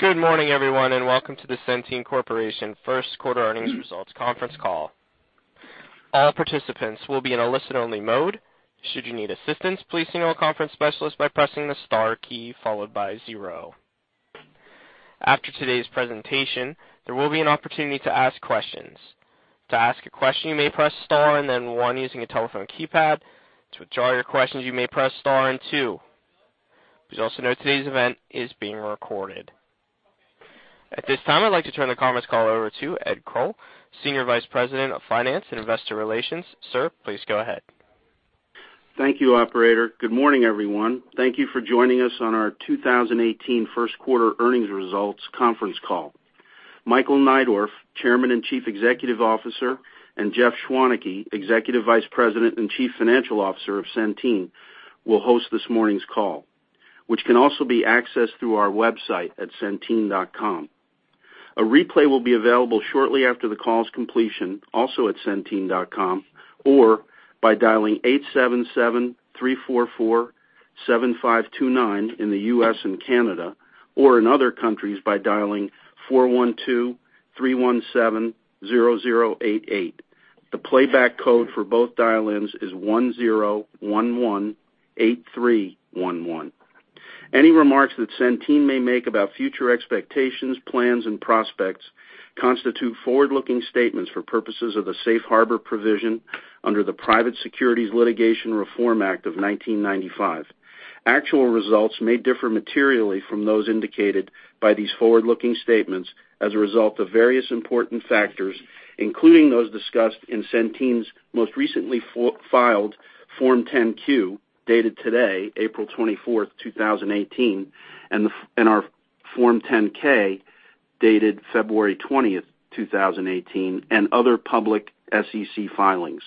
Good morning, everyone, and welcome to the Centene Corporation First Quarter Earnings Results Conference Call. All participants will be in a listen-only mode. Should you need assistance, please signal a conference specialist by pressing the star key followed by zero. After today's presentation, there will be an opportunity to ask questions. To ask a question, you may press star and then one using your telephone keypad. To withdraw your questions, you may press star and two. Please also note today's event is being recorded. At this time, I'd like to turn the conference call over to Edmund Cole, Senior Vice President of Finance and Investor Relations. Sir, please go ahead. Thank you, operator. Good morning, everyone. Thank you for joining us on our 2018 first quarter earnings results conference call. Michael Neidorff, Chairman and Chief Executive Officer, and Jeff Schwaneke, Executive Vice President and Chief Financial Officer of Centene, will host this morning's call, which can also be accessed through our website at centene.com. A replay will be available shortly after the call's completion, also at centene.com, or by dialing 877-344-7529 in the U.S. and Canada, or in other countries by dialing 412-317-0088. The playback code for both dial-ins is 10118311. Any remarks that Centene may make about future expectations, plans, and prospects constitute forward-looking statements for purposes of the safe harbor provision under the Private Securities Litigation Reform Act of 1995. Actual results may differ materially from those indicated by these forward-looking statements as a result of various important factors, including those discussed in Centene's most recently filed Form 10-Q, dated today, April 24th, 2018, and our Form 10-K, dated February 20th, 2018, and other public SEC filings.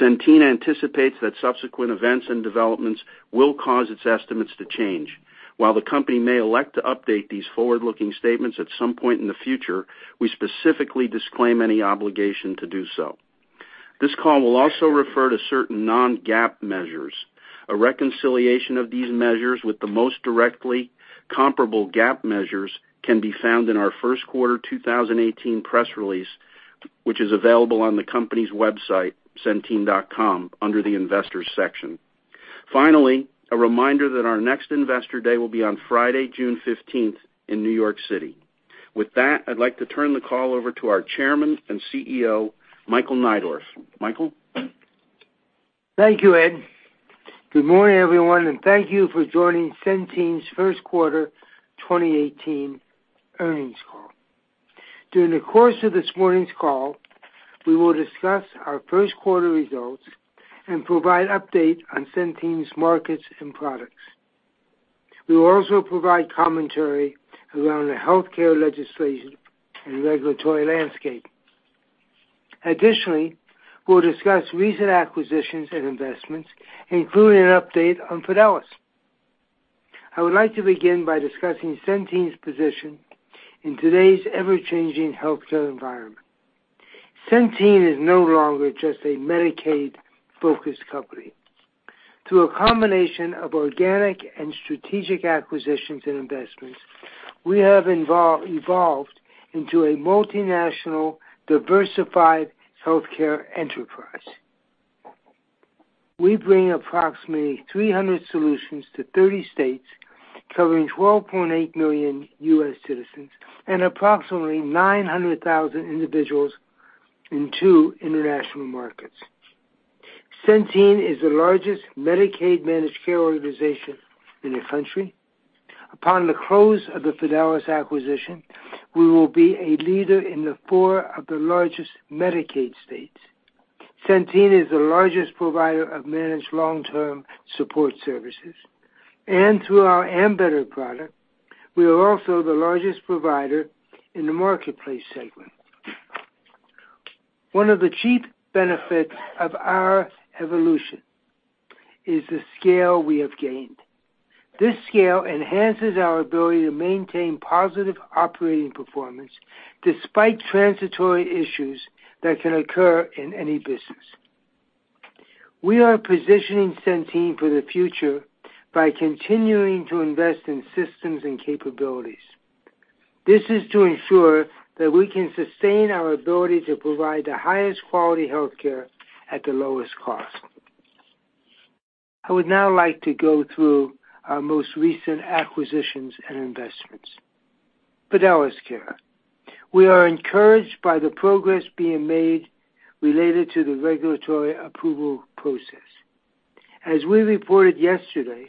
Centene anticipates that subsequent events and developments will cause its estimates to change. While the company may elect to update these forward-looking statements at some point in the future, we specifically disclaim any obligation to do so. This call will also refer to certain non-GAAP measures. A reconciliation of these measures with the most directly comparable GAAP measures can be found in our first quarter 2018 press release, which is available on the company's website, centene.com, under the investors section. Finally, a reminder that our next Investor Day will be on Friday, June 15th in New York City. With that, I'd like to turn the call over to our Chairman and CEO, Michael Neidorff. Michael? Thank you, Ed. Good morning, everyone, and thank you for joining Centene's first quarter 2018 earnings call. During the course of this morning's call, we will discuss our first quarter results and provide update on Centene's markets and products. We will also provide commentary around the healthcare legislation and regulatory landscape. Additionally, we'll discuss recent acquisitions and investments, including an update on Fidelis. I would like to begin by discussing Centene's position in today's ever-changing healthcare environment. Centene is no longer just a Medicaid-focused company. Through a combination of organic and strategic acquisitions and investments, we have evolved into a multinational, diversified healthcare enterprise. We bring approximately 300 solutions to 30 states, covering 12.8 million U.S. citizens and approximately 900,000 individuals in two international markets. Centene is the largest Medicaid managed care organization in the country. Upon the close of the Fidelis acquisition, we will be a leader in the four of the largest Medicaid states. Centene is the largest provider of managed long-term support services. Through our Ambetter product, we are also the largest provider in the Marketplace segment. One of the chief benefits of our evolution is the scale we have gained. This scale enhances our ability to maintain positive operating performance despite transitory issues that can occur in any business. We are positioning Centene for the future by continuing to invest in systems and capabilities. This is to ensure that we can sustain our ability to provide the highest quality healthcare at the lowest cost. I would now like to go through our most recent acquisitions and investments. Fidelis Care. We are encouraged by the progress being made related to the regulatory approval process. As we reported yesterday,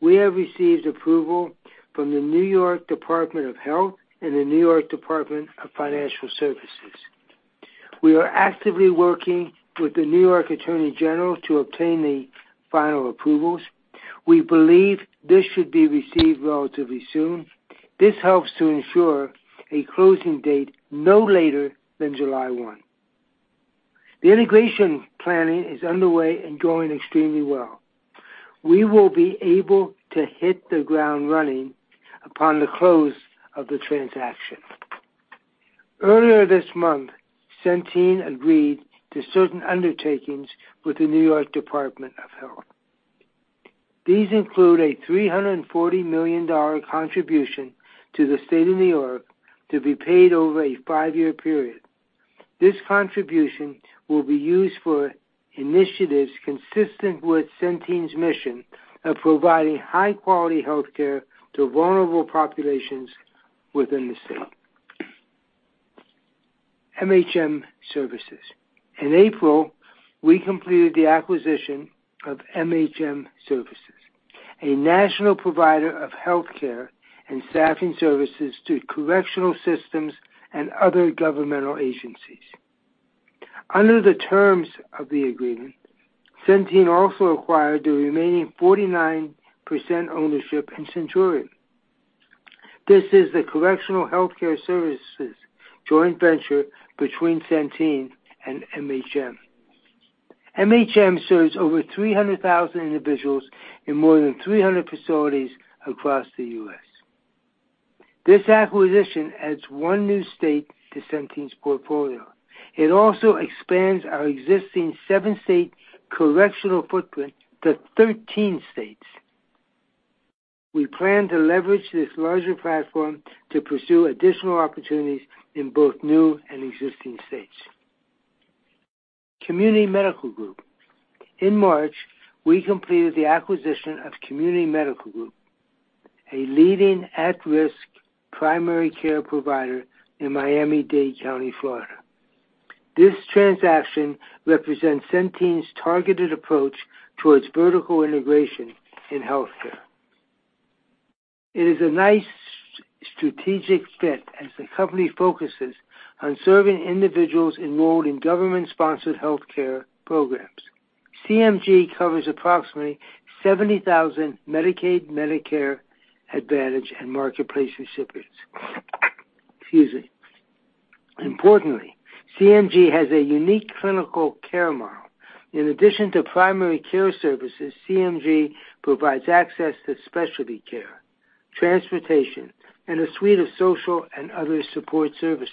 we have received approval from the New York Department of Health and the New York Department of Financial Services. We are actively working with the New York Attorney General to obtain the final approvals. We believe this should be received relatively soon. This helps to ensure a closing date no later than July 1. The integration planning is underway and going extremely well. We will be able to hit the ground running upon the close of the transaction. Earlier this month, Centene agreed to certain undertakings with the New York Department of Health. These include a $340 million contribution to the state of New York to be paid over a five-year period. This contribution will be used for initiatives consistent with Centene's mission of providing high-quality healthcare to vulnerable populations within the state. MHM Services. In April, we completed the acquisition of MHM Services, a national provider of healthcare and staffing services to correctional systems and other governmental agencies. Under the terms of the agreement, Centene also acquired the remaining 49% ownership in Centurion. This is the correctional healthcare services joint venture between Centene and MHM. MHM serves over 300,000 individuals in more than 300 facilities across the U.S. This acquisition adds one new state to Centene's portfolio. It also expands our existing seven-state correctional footprint to 13 states. We plan to leverage this larger platform to pursue additional opportunities in both new and existing states. Community Medical Group. In March, we completed the acquisition of Community Medical Group, a leading at-risk primary care provider in Miami-Dade County, Florida. This transaction represents Centene's targeted approach towards vertical integration in healthcare. It is a nice strategic fit as the company focuses on serving individuals enrolled in government-sponsored healthcare programs. CMG covers approximately 70,000 Medicaid, Medicare Advantage, and Marketplace recipients. Excuse me. Importantly, CMG has a unique clinical care model. In addition to primary care services, CMG provides access to specialty care, transportation, and a suite of social and other support services.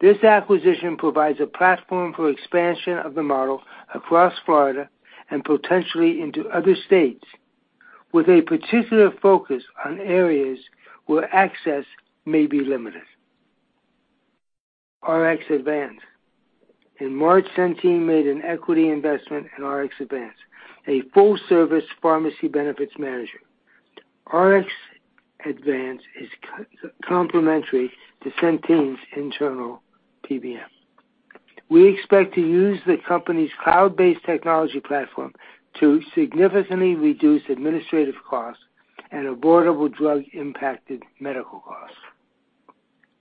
This acquisition provides a platform for expansion of the model across Florida and potentially into other states, with a particular focus on areas where access may be limited. RxAdvance. In March, Centene made an equity investment in RxAdvance, a full-service pharmacy benefits manager. RxAdvance is complementary to Centene's internal PBM. We expect to use the company's cloud-based technology platform to significantly reduce administrative costs and avoidable drug-impacted medical costs.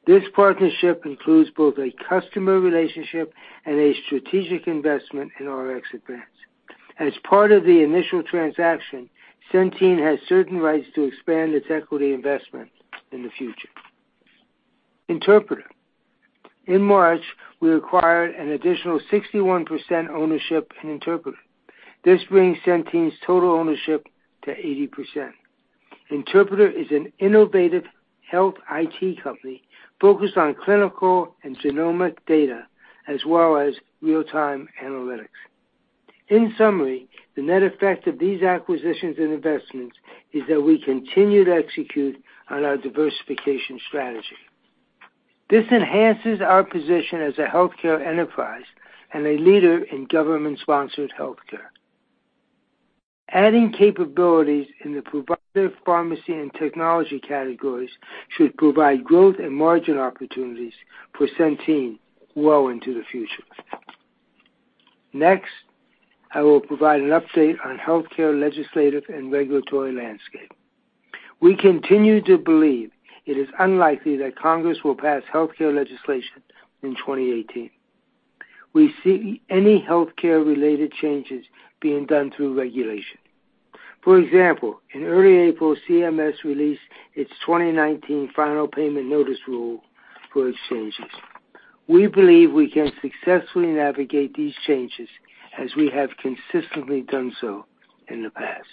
This partnership includes both a customer relationship and a strategic investment in RxAdvance. As part of the initial transaction, Centene has certain rights to expand its equity investment in the future. Interpreta. In March, we acquired an additional 61% ownership in Interpreta. This brings Centene's total ownership to 80%. Interpreta is an innovative health IT company focused on clinical and genomic data, as well as real-time analytics. In summary, the net effect of these acquisitions and investments is that we continue to execute on our diversification strategy. This enhances our position as a healthcare enterprise and a leader in government-sponsored healthcare. Adding capabilities in the provider pharmacy and technology categories should provide growth and margin opportunities for Centene well into the future. Next, I will provide an update on healthcare legislative and regulatory landscape. We continue to believe it is unlikely that Congress will pass healthcare legislation in 2018. We see any healthcare-related changes being done through regulation. For example, in early April, CMS released its 2019 final payment notice rule for exchanges. We believe we can successfully navigate these changes as we have consistently done so in the past.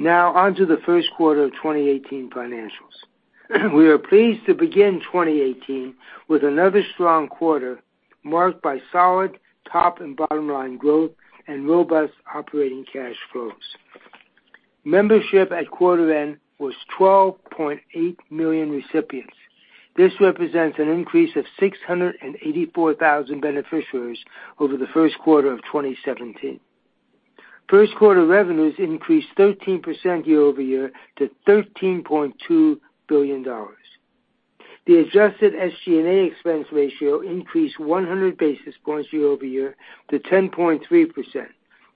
Now, onto the first quarter of 2018 financials. We are pleased to begin 2018 with another strong quarter marked by solid top and bottom line growth and robust operating cash flows. Membership at quarter end was 12.8 million recipients. This represents an increase of 684,000 beneficiaries over the first quarter of 2017. First quarter revenues increased 13% year-over-year to $13.2 billion. The adjusted SG&A expense ratio increased 100 basis points year-over-year to 10.3%.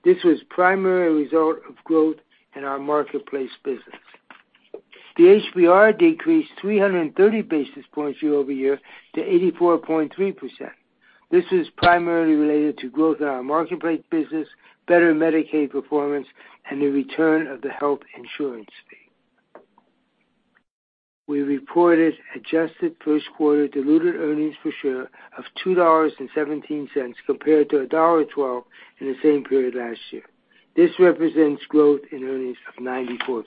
This was primarily a result of growth in our Marketplace business. The HBR decreased 330 basis points year-over-year to 84.3%. This is primarily related to growth in our Marketplace business, better Medicaid performance, and the return of the Health Insurance Fee. We reported adjusted first quarter diluted earnings per share of $2.17 compared to $1.12 in the same period last year. This represents growth in earnings of 94%.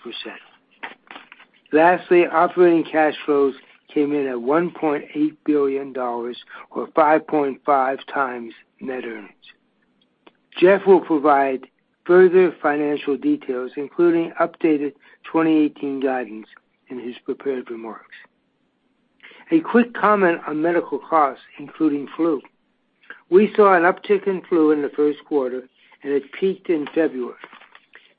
Lastly, operating cash flows came in at $1.8 billion or 5.5 times net earnings. Jeff will provide further financial details, including updated 2018 guidance in his prepared remarks. A quick comment on medical costs, including flu. We saw an uptick in flu in the first quarter, and it peaked in February.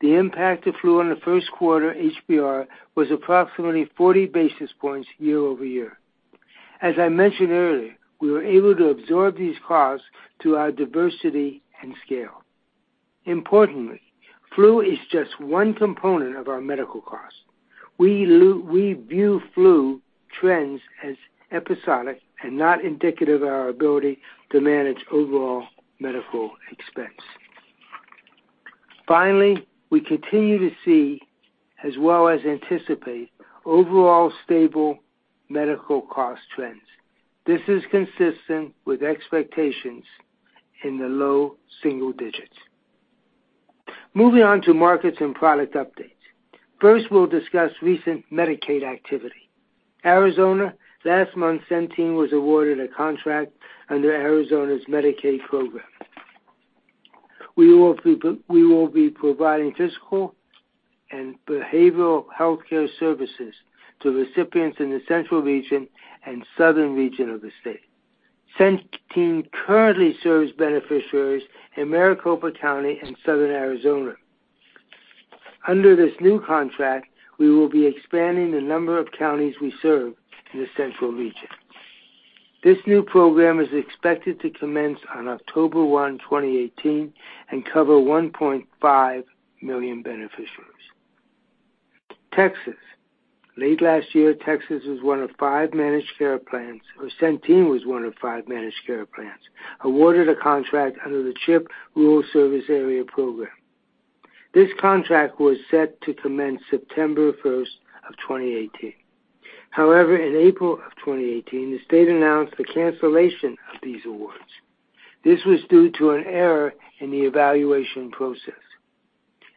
The impact of flu on the first quarter HBR was approximately 40 basis points year-over-year. As I mentioned earlier, we were able to absorb these costs through our diversity and scale. Importantly, flu is just one component of our medical costs. We view flu trends as episodic and not indicative of our ability to manage overall medical expense. Finally, we continue to see, as well as anticipate, overall stable medical cost trends. This is consistent with expectations in the low single digits. Moving on to markets and product updates. First, we'll discuss recent Medicaid activity. Arizona. Last month, Centene was awarded a contract under Arizona's Medicaid program. We will be providing physical and behavioral healthcare services to recipients in the central region and southern region of the state. Centene currently serves beneficiaries in Maricopa County and southern Arizona. Under this new contract, we will be expanding the number of counties we serve in the central region. This new program is expected to commence on October 1, 2018, and cover 1.5 million beneficiaries. Texas. Late last year, Centene was one of five managed care plans awarded a contract under the CHIP Rural Service Area program. This contract was set to commence September 1st of 2018. However, in April of 2018, the state announced the cancellation of these awards. This was due to an error in the evaluation process.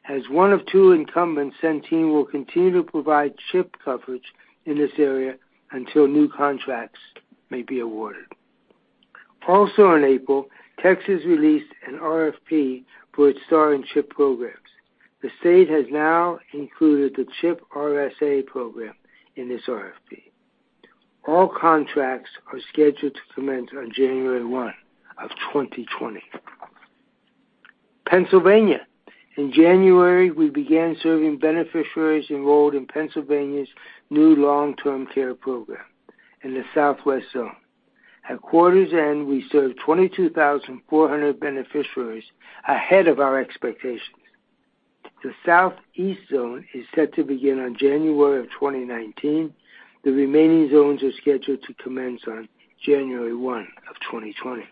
As one of two incumbents, Centene will continue to provide CHIP coverage in this area until new contracts may be awarded. Also in April, Texas released an RFP for its STAR and CHIP programs. The state has now included the CHIP RSA program in this RFP. All contracts are scheduled to commence on January 1, 2020. Pennsylvania. In January, we began serving beneficiaries enrolled in Pennsylvania's new long-term care program in the southwest zone. At quarter's end, we served 22,400 beneficiaries, ahead of our expectations. The southeast zone is set to begin on January of 2019. The remaining zones are scheduled to commence on January 1, 2020.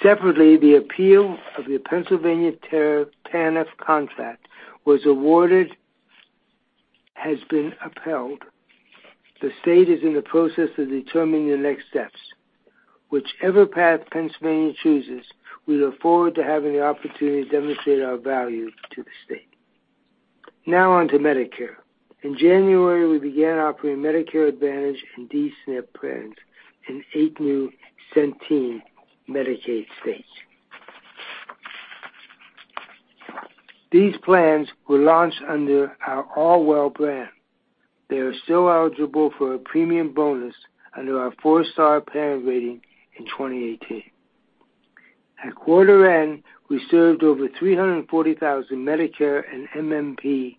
Separately, the appeal of the Pennsylvania TANF contract was awarded has been upheld. The state is in the process of determining the next steps. Whichever path Pennsylvania chooses, we look forward to having the opportunity to demonstrate our value to the state. Now on to Medicare. In January, we began offering Medicare Advantage and D-SNP plans in eight new Centene Medicaid states. These plans were launched under our Allwell brand. They are still eligible for a premium bonus under our four-star plan rating in 2018. At quarter end, we served over 340,000 Medicare and MMP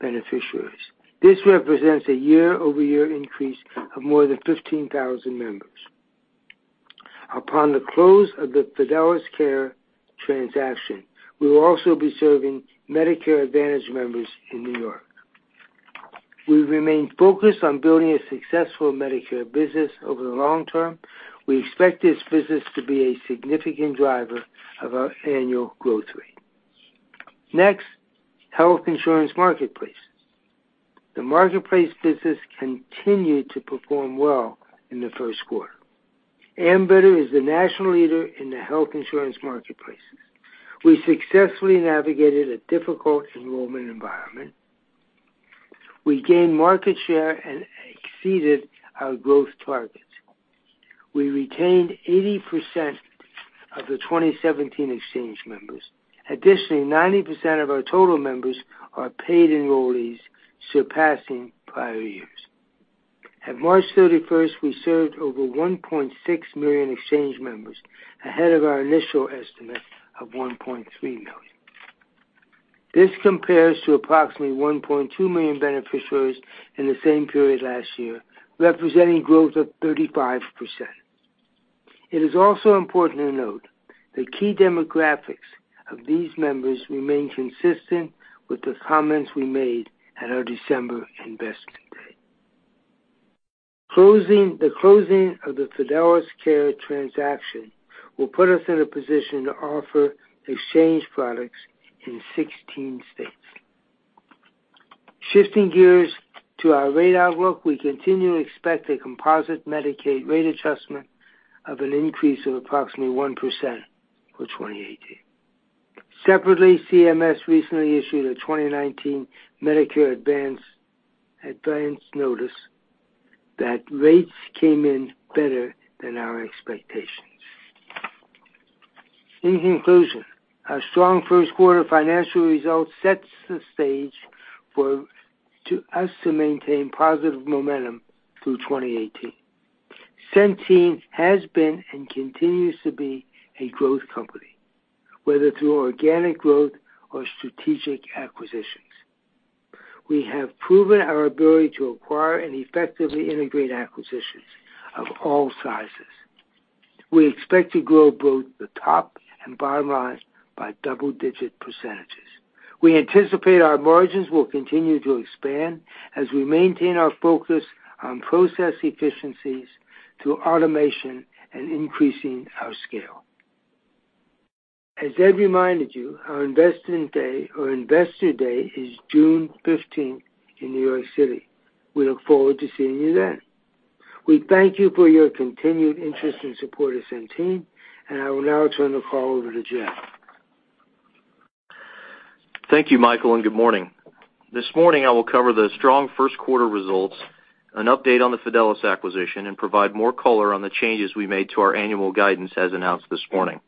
beneficiaries. This represents a year-over-year increase of more than 15,000 members. Upon the close of the Fidelis Care transaction, we will also be serving Medicare Advantage members in New York. We remain focused on building a successful Medicare business over the long term. We expect this business to be a significant driver of our annual growth rate. Next, Health Insurance Marketplace. The marketplace business continued to perform well in the first quarter. Ambetter is the national leader in the Health Insurance Marketplace. We successfully navigated a difficult enrollment environment. We gained market share and exceeded our growth targets. We retained 80% of the 2017 exchange members. Additionally, 90% of our total members are paid enrollees, surpassing prior years. At March 31st, we served over 1.6 million exchange members, ahead of our initial estimate of 1.3 million. This compares to approximately 1.2 million beneficiaries in the same period last year, representing growth of 35%. It is also important to note that key demographics of these members remain consistent with the comments we made at our December Investor Day. The closing of the Fidelis Care transaction will put us in a position to offer exchange products in 16 states. Shifting gears to our rate outlook, we continue to expect a composite Medicaid rate adjustment of an increase of approximately 1% for 2018. Separately, CMS recently issued a 2019 Medicare advance notice that rates came in better than our expectations. In conclusion, our strong first quarter financial results sets the stage for us to maintain positive momentum through 2018. Centene has been and continues to be a growth company, whether through organic growth or strategic acquisitions. We have proven our ability to acquire and effectively integrate acquisitions of all sizes. We expect to grow both the top and bottom lines by double-digit percentages. We anticipate our margins will continue to expand as we maintain our focus on process efficiencies through automation and increasing our scale. As Ed reminded you, our Investor Day is June 15th in New York City. We look forward to seeing you then. We thank you for your continued interest and support of Centene, I will now turn the call over to Jeff. Thank you, Michael, good morning. This morning, I will cover the strong first quarter results, an update on the Fidelis acquisition, and provide more color on the changes we made to our annual guidance as announced this morning.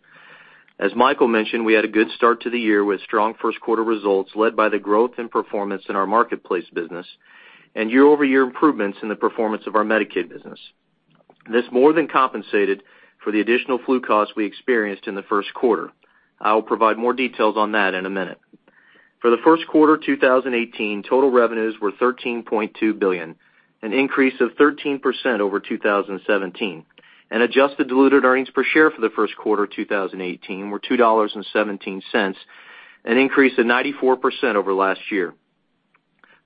As Michael mentioned, we had a good start to the year with strong first quarter results led by the growth and performance in our Marketplace business and year-over-year improvements in the performance of our Medicaid business. This more than compensated for the additional flu costs we experienced in the first quarter. I will provide more details on that in a minute. For the first quarter 2018, total revenues were $13.2 billion, an increase of 13% over 2017, adjusted diluted earnings per share for the first quarter 2018 were $2.17, an increase of 94% over last year.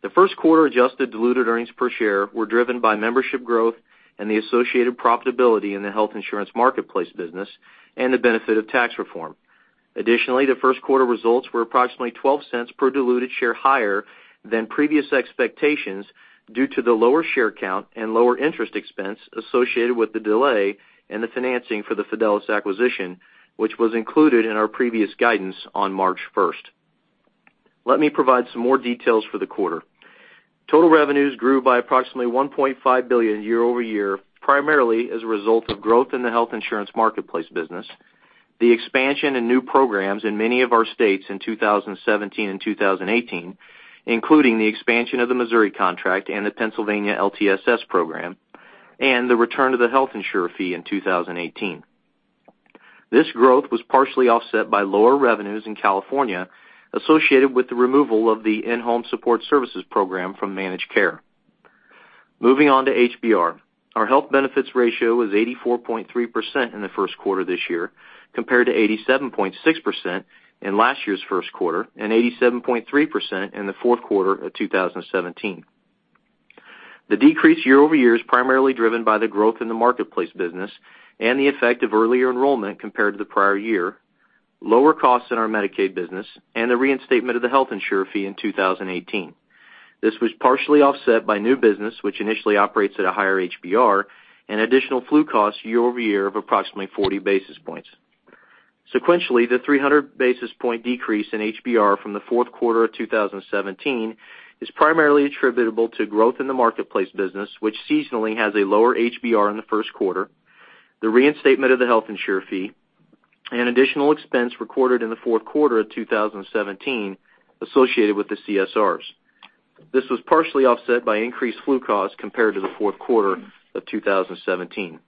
The first quarter adjusted diluted earnings per share were driven by membership growth and the associated profitability in the Health Insurance Marketplace business and the benefit of tax reform. Additionally, the first quarter results were approximately $0.12 per diluted share higher than previous expectations due to the lower share count and lower interest expense associated with the delay in the financing for the Fidelis acquisition, which was included in our previous guidance on March 1st. Let me provide some more details for the quarter. Total revenues grew by approximately $1.5 billion year-over-year, primarily as a result of growth in the Health Insurance Marketplace business, the expansion in new programs in many of our states in 2017 and 2018, including the expansion of the Missouri contract and the Pennsylvania LTSS program, and the return of the Health Insurer Fee in 2018. This growth was partially offset by lower revenues in California associated with the removal of the in-home support services program from managed care. Moving on to HBR. Our health benefits ratio was 84.3% in the first quarter of this year, compared to 87.6% in last year's first quarter and 87.3% in the fourth quarter of 2017. The decrease year-over-year is primarily driven by the growth in the Marketplace business and the effect of earlier enrollment compared to the prior year, lower costs in our Medicaid business, and the reinstatement of the health insurer fee in 2018. This was partially offset by new business, which initially operates at a higher HBR and additional flu costs year-over-year of approximately 40 basis points. Sequentially, the 300 basis point decrease in HBR from the fourth quarter of 2017 is primarily attributable to growth in the Marketplace business, which seasonally has a lower HBR in the first quarter, the reinstatement of the health insurer fee, and additional expense recorded in the fourth quarter of 2017 associated with the CSRs. This was partially offset by increased flu costs compared to the fourth quarter of 2017.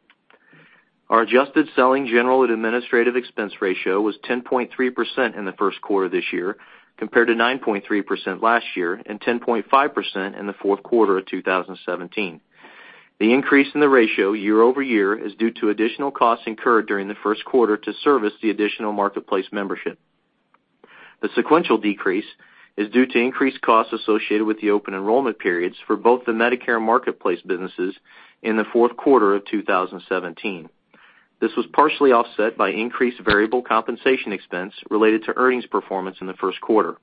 Our adjusted selling, general, and administrative expense ratio was 10.3% in the first quarter of this year, compared to 9.3% last year and 10.5% in the fourth quarter of 2017. The increase in the ratio year-over-year is due to additional costs incurred during the first quarter to service the additional Marketplace membership. The sequential decrease is due to increased costs associated with the open enrollment periods for both the Medicare and Marketplace businesses in the fourth quarter of 2017. This was partially offset by increased variable compensation expense related to earnings performance in the first quarter.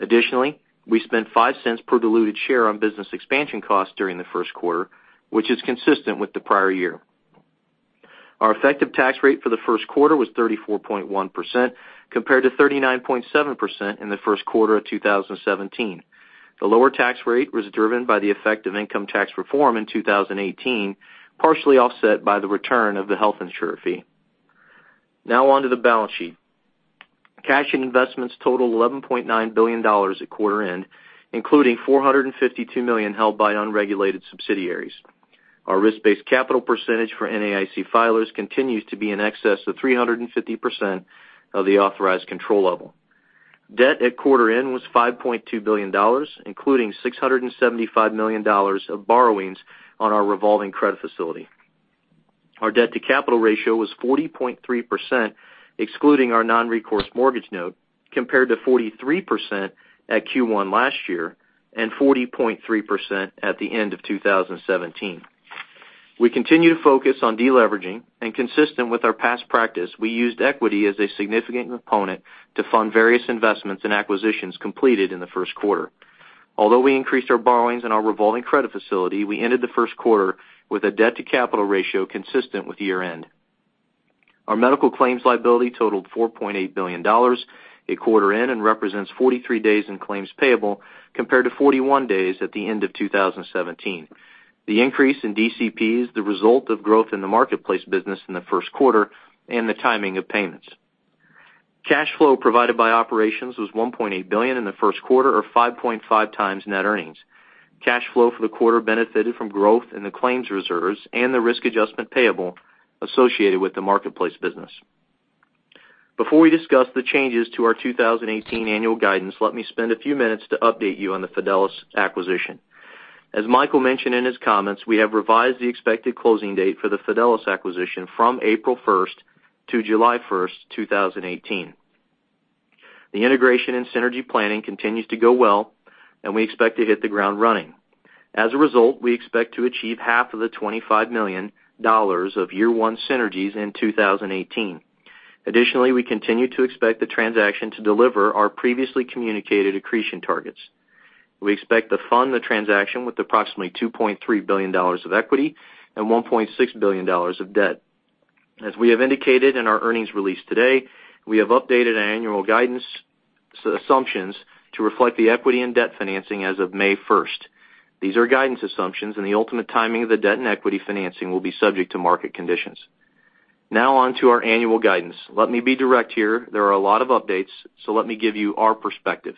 Additionally, we spent $0.05 per diluted share on business expansion costs during the first quarter, which is consistent with the prior year. Our effective tax rate for the first quarter was 34.1%, compared to 39.7% in the first quarter of 2017. The lower tax rate was driven by the effect of income tax reform in 2018, partially offset by the return of the health insurer fee. Now on to the balance sheet. Cash and investments totaled $11.9 billion at quarter end, including $452 million held by unregulated subsidiaries. Our risk-based capital percentage for NAIC filers continues to be in excess of 350% of the authorized control level. Debt at quarter end was $5.2 billion, including $675 million of borrowings on our revolving credit facility. Our debt-to-capital ratio was 40.3%, excluding our non-recourse mortgage note, compared to 43% at Q1 last year and 40.3% at the end of 2017. We continue to focus on de-leveraging and consistent with our past practice, we used equity as a significant component to fund various investments and acquisitions completed in the first quarter. Although we increased our borrowings and our revolving credit facility, we ended the first quarter with a debt-to-capital ratio consistent with year-end. Our medical claims liability totaled $4.8 billion at quarter end and represents 43 days in claims payable compared to 41 days at the end of 2017. The increase in DCP is the result of growth in the Marketplace business in the first quarter and the timing of payments. Cash flow provided by operations was $1.8 billion in the first quarter or 5.5 times net earnings. Cash flow for the quarter benefited from growth in the claims reserves and the risk adjustment payable associated with the marketplace business. Before we discuss the changes to our 2018 annual guidance, let me spend a few minutes to update you on the Fidelis acquisition. As Michael mentioned in his comments, we have revised the expected closing date for the Fidelis acquisition from April 1st to July 1st, 2018. The integration and synergy planning continues to go well, we expect to hit the ground running. As a result, we expect to achieve half of the $25 million of year one synergies in 2018. Additionally, we continue to expect the transaction to deliver our previously communicated accretion targets. We expect to fund the transaction with approximately $2.3 billion of equity and $1.6 billion of debt. As we have indicated in our earnings release today, we have updated annual guidance assumptions to reflect the equity in debt financing as of May 1st. These are guidance assumptions, and the ultimate timing of the debt and equity financing will be subject to market conditions. On to our annual guidance. Let me be direct here. There are a lot of updates, let me give you our perspective.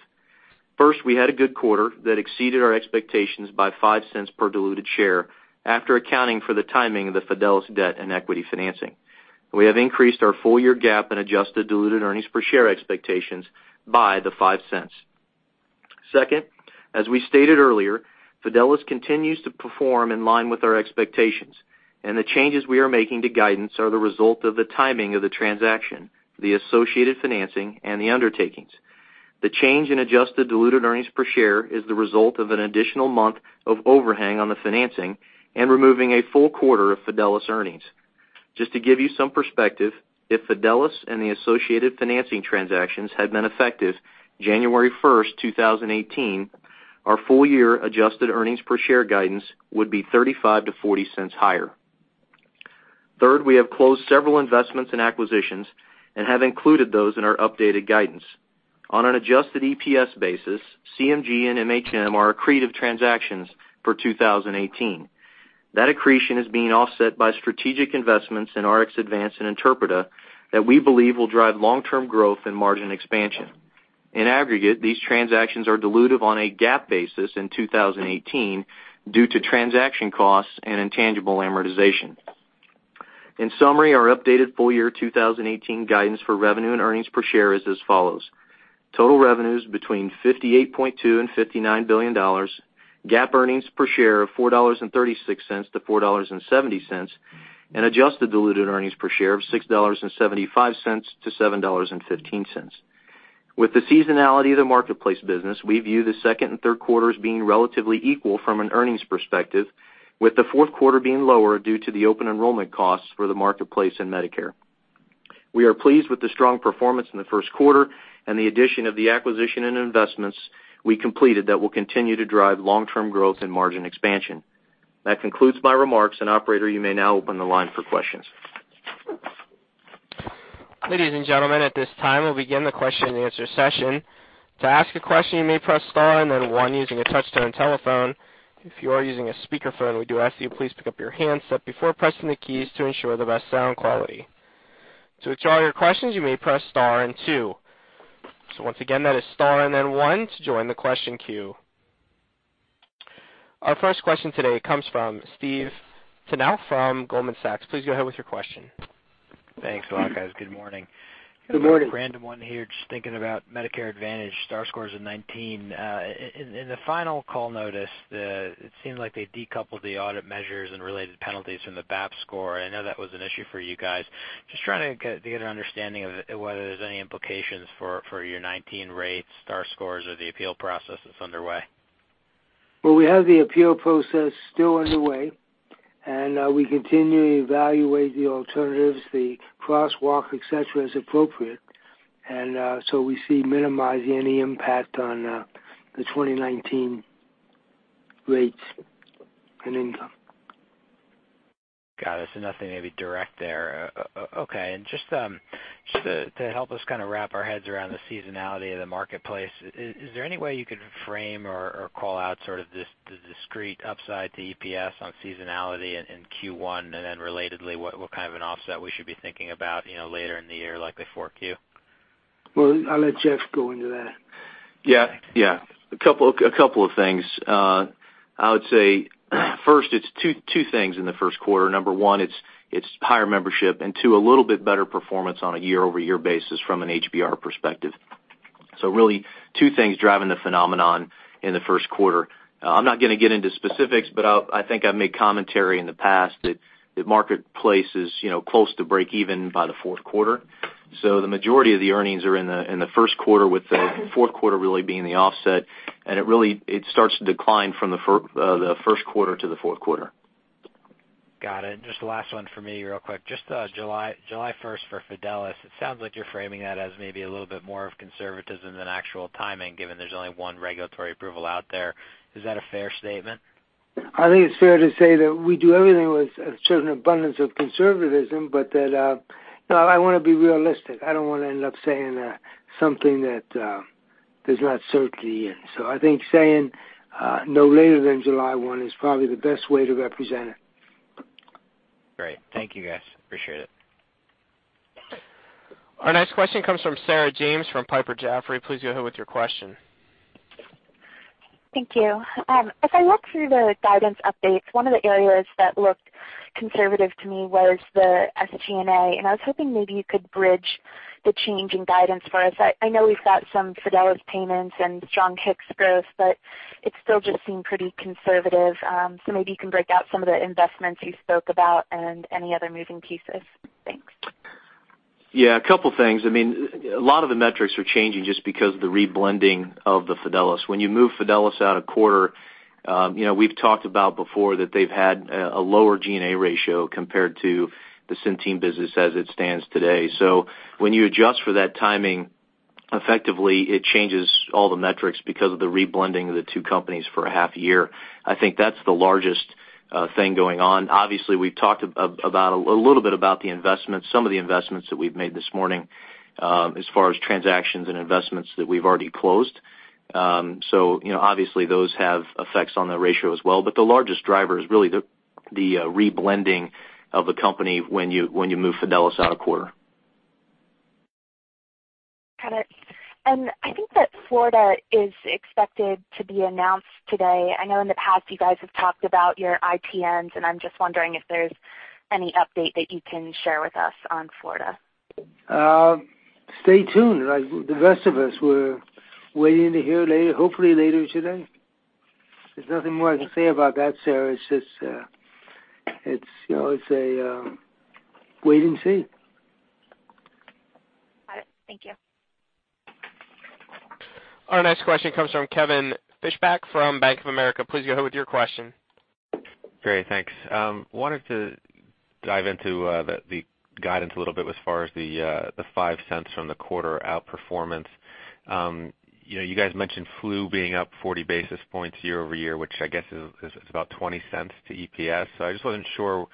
First, we had a good quarter that exceeded our expectations by $0.05 per diluted share after accounting for the timing of the Fidelis debt and equity financing. We have increased our full year GAAP and adjusted diluted earnings per share expectations by the $0.05. Second, as we stated earlier, Fidelis continues to perform in line with our expectations, the changes we are making to guidance are the result of the timing of the transaction, the associated financing, and the undertakings. The change in adjusted diluted earnings per share is the result of an additional month of overhang on the financing and removing a full quarter of Fidelis earnings. Just to give you some perspective, if Fidelis and the associated financing transactions had been effective January 1st, 2018, our full year adjusted earnings per share guidance would be $0.35 to $0.40 higher. Third, we have closed several investments and acquisitions and have included those in our updated guidance. On an adjusted EPS basis, CMG and MHM are accretive transactions for 2018. That accretion is being offset by strategic investments in RxAdvance and Interpreta that we believe will drive long-term growth and margin expansion. In aggregate, these transactions are dilutive on a GAAP basis in 2018 due to transaction costs and intangible amortization. In summary, our updated full year 2018 guidance for revenue and earnings per share is as follows. Total revenues between $58.2 billion and $59 billion, GAAP earnings per share of $4.36 to $4.70, and adjusted diluted earnings per share of $6.75 to $7.15. With the seasonality of the marketplace business, we view the second and third quarters being relatively equal from an earnings perspective, with the fourth quarter being lower due to the open enrollment costs for the marketplace and Medicare. We are pleased with the strong performance in the first quarter and the addition of the acquisition and investments we completed that will continue to drive long-term growth and margin expansion. That concludes my remarks, operator, you may now open the line for questions. Ladies and gentlemen, at this time, we'll begin the question and answer session. To ask a question, you may press star and then one using a touch-tone telephone. If you are using a speakerphone, we do ask you please pick up your handset before pressing the keys to ensure the best sound quality. To withdraw your questions, you may press star and two. Once again, that is star and then one to join the question queue. Our first question today comes from Stephen Tanal from Goldman Sachs. Please go ahead with your question. Thanks a lot, guys. Good morning. Good morning. Random one here. Just thinking about Medicare Advantage STAR scores in 2019. In the final call notice, it seemed like they decoupled the audit measures and related penalties from the bid score. I know that was an issue for you guys. Just trying to get an understanding of whether there's any implications for your 2019 rates, STAR scores, or the appeal process that's underway. We have the appeal process still underway, and we continue to evaluate the alternatives, the crosswalk, et cetera, as appropriate. We see minimizing any impact on the 2019 rates and income. Got it. Nothing maybe direct there. Okay. Just to help us kind of wrap our heads around the seasonality of the marketplace, is there any way you could frame or call out sort of the discrete upside to EPS on seasonality in Q1? Relatedly, what kind of an offset we should be thinking about later in the year, likely 4Q? I'll let Jeff go into that. Yeah. A couple of things. I would say first, it's two things in the first quarter. Number one, it's higher membership, and two, a little bit better performance on a year-over-year basis from an HBR perspective. Really two things driving the phenomenon in the first quarter. I'm not going to get into specifics, I think I've made commentary in the past that marketplace is close to breakeven by the fourth quarter. The majority of the earnings are in the first quarter, with the fourth quarter really being the offset, and it starts to decline from the first quarter to the fourth quarter. Got it. Just the last one for me real quick. Just July 1st for Fidelis. It sounds like you're framing that as maybe a little bit more of conservatism than actual timing, given there's only one regulatory approval out there. Is that a fair statement? I think it's fair to say that we do everything with a certain abundance of conservatism, but that I want to be realistic. I don't want to end up saying something that is not certainly in. I think saying, no later than July 1 is probably the best way to represent it. Great. Thank you guys. Appreciate it. Our next question comes from Sarah James from Piper Jaffray. Please go ahead with your question. Thank you. As I look through the guidance updates, one of the areas that looked conservative to me was the SG&A, and I was hoping maybe you could bridge the change in guidance for us. I know we've got some Fidelis payments and strong HIX growth, but it still just seemed pretty conservative. Maybe you can break out some of the investments you spoke about and any other moving pieces. Thanks. Yeah. A couple things. A lot of the metrics are changing just because of the reblending of the Fidelis. When you move Fidelis out a quarter, we've talked about before that they've had a lower G&A ratio compared to the Centene business as it stands today. When you adjust for that timing, effectively, it changes all the metrics because of the reblending of the two companies for a half year. I think that's the largest thing going on. Obviously, we've talked a little bit about the investments, some of the investments that we've made this morning, as far as transactions and investments that we've already closed. Obviously those have effects on the ratio as well. The largest driver is really the reblending of the company when you move Fidelis out a quarter. Got it. I think that Florida is expected to be announced today. I know in the past you guys have talked about your IPNs, and I'm just wondering if there's any update that you can share with us on Florida. Stay tuned. Like the rest of us, we're waiting to hear hopefully later today. There's nothing more I can say about that, Sarah. It's just wait and see. Got it. Thank you. Our next question comes from Kevin Fischbeck from Bank of America. Please go ahead with your question. Great. Thanks. Wanted to dive into the guidance a little bit as far as the $0.05 from the quarter outperformance. You guys mentioned flu being up 40 basis points year-over-year, which I guess is about $0.20 to EPS. I just wasn't sure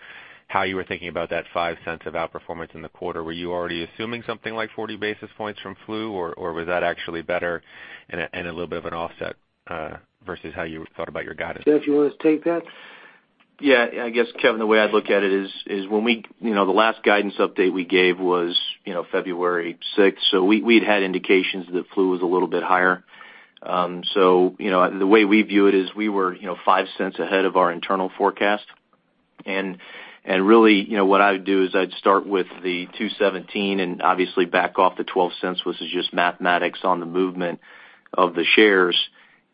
how you were thinking about that $0.05 of outperformance in the quarter. Were you already assuming something like 40 basis points from flu, or was that actually better and a little bit of an offset, versus how you thought about your guidance? Jeff, you want to take that? Yeah. I guess, Kevin, the way I'd look at it is the last guidance update we gave was February 6th. We'd had indications that flu was a little bit higher. The way we view it is we were $0.05 ahead of our internal forecast. Really, what I would do is I'd start with the 2017 and obviously back off the $0.12, which is just mathematics on the movement of the shares.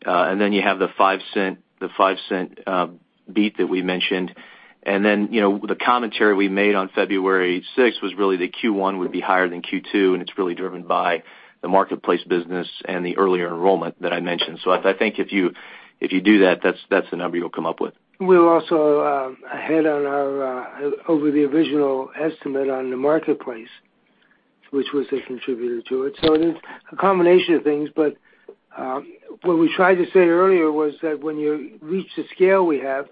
Then you have the $0.05 beat that we mentioned. Then, the commentary we made on February 6th was really that Q1 would be higher than Q2, and it's really driven by the marketplace business and the earlier enrollment that I mentioned. I think if you do that's the number you'll come up with. We're also ahead on our over the original estimate on the marketplace, which was a contributor to it. It is a combination of things. What we tried to say earlier was that when you reach the scale we have,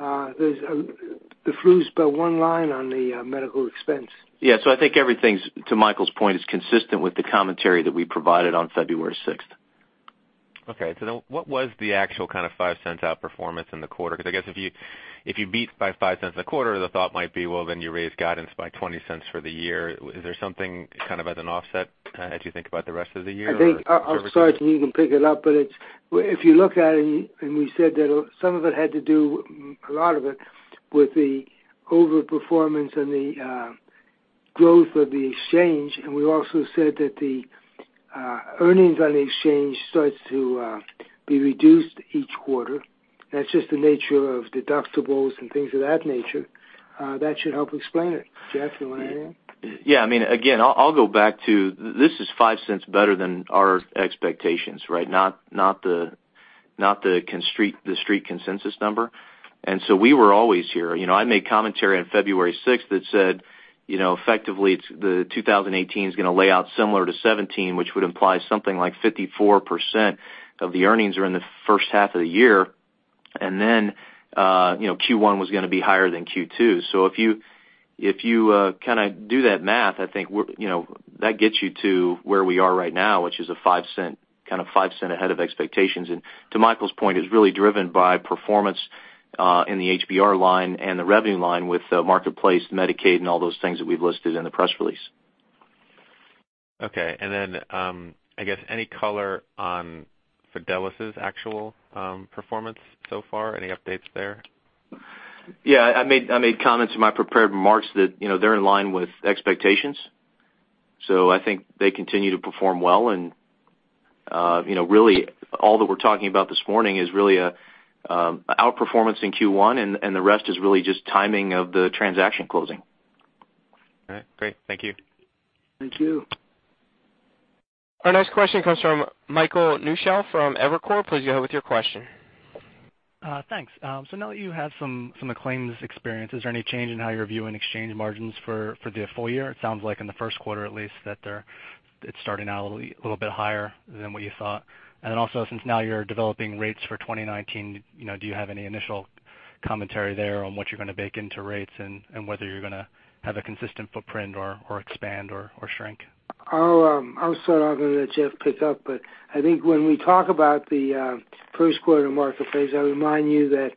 the flu's but one line on the medical expense. Yeah. I think everything's, to Michael's point, is consistent with the commentary that we provided on February 6th. Okay. What was the actual $0.05 outperformance in the quarter? Because I guess if you beat by $0.05 a quarter, the thought might be, well, you raise guidance by $0.20 for the year. Is there something as an offset as you think about the rest of the year? I'm sorry, Kevin, you can pick it up, but if you look at it and we said that some of it had to do, a lot of it, with the overperformance and the growth of the exchange. We also said that the earnings on the exchange starts to be reduced each quarter. That's just the nature of deductibles and things of that nature. That should help explain it. Jeff, you want to add anything? Yeah. Again, I'll go back to, this is $0.05 better than our expectations, right? Not the street consensus number. We were always here. I made commentary on February 6th that said effectively 2018's going to lay out similar to 2017, which would imply something like 54% of the earnings are in the first half of the year. Q1 was going to be higher than Q2. If you do that math, I think that gets you to where we are right now, which is a $0.05 ahead of expectations. To Michael's point, it's really driven by performance in the HBR line and the revenue line with Marketplace, Medicaid, and all those things that we've listed in the press release. Okay. I guess any color on Fidelis' actual performance so far? Any updates there? Yeah. I made comments in my prepared remarks that they're in line with expectations. I think they continue to perform well and really all that we're talking about this morning is really outperformance in Q1 and the rest is really just timing of the transaction closing. All right. Great. Thank you. Thank you. Our next question comes from Michael Newshel from Evercore. Please go ahead with your question. Thanks. Now that you have some exchange experience, is there any change in how you're viewing exchange margins for the full year? It sounds like in the first quarter at least that it's starting out a little bit higher than what you thought. Since now you're developing rates for 2019, do you have any initial commentary there on what you're going to bake into rates and whether you're going to have a consistent footprint or expand or shrink? I'll start off and let Jeff pick up. I think when we talk about the first quarter marketplace, I remind you that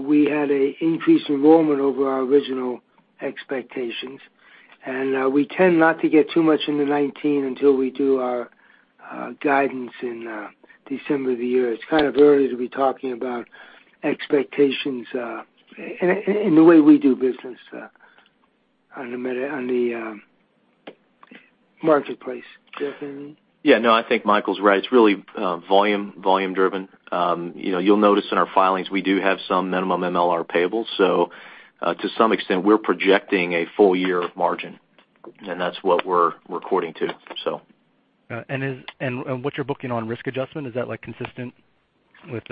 we had an increased enrollment over our original expectations. We tend not to get too much into 2019 until we do our guidance in December of the year. It's kind of early to be talking about expectations in the way we do business on the marketplace. Jeff, anything? Yeah, no, I think Michael's right. It's really volume-driven. You'll notice in our filings, we do have some minimum MLR payables. To some extent, we're projecting a full year of margin, and that's what we're recording to. Got it. What you're booking on risk adjustment, is that consistent with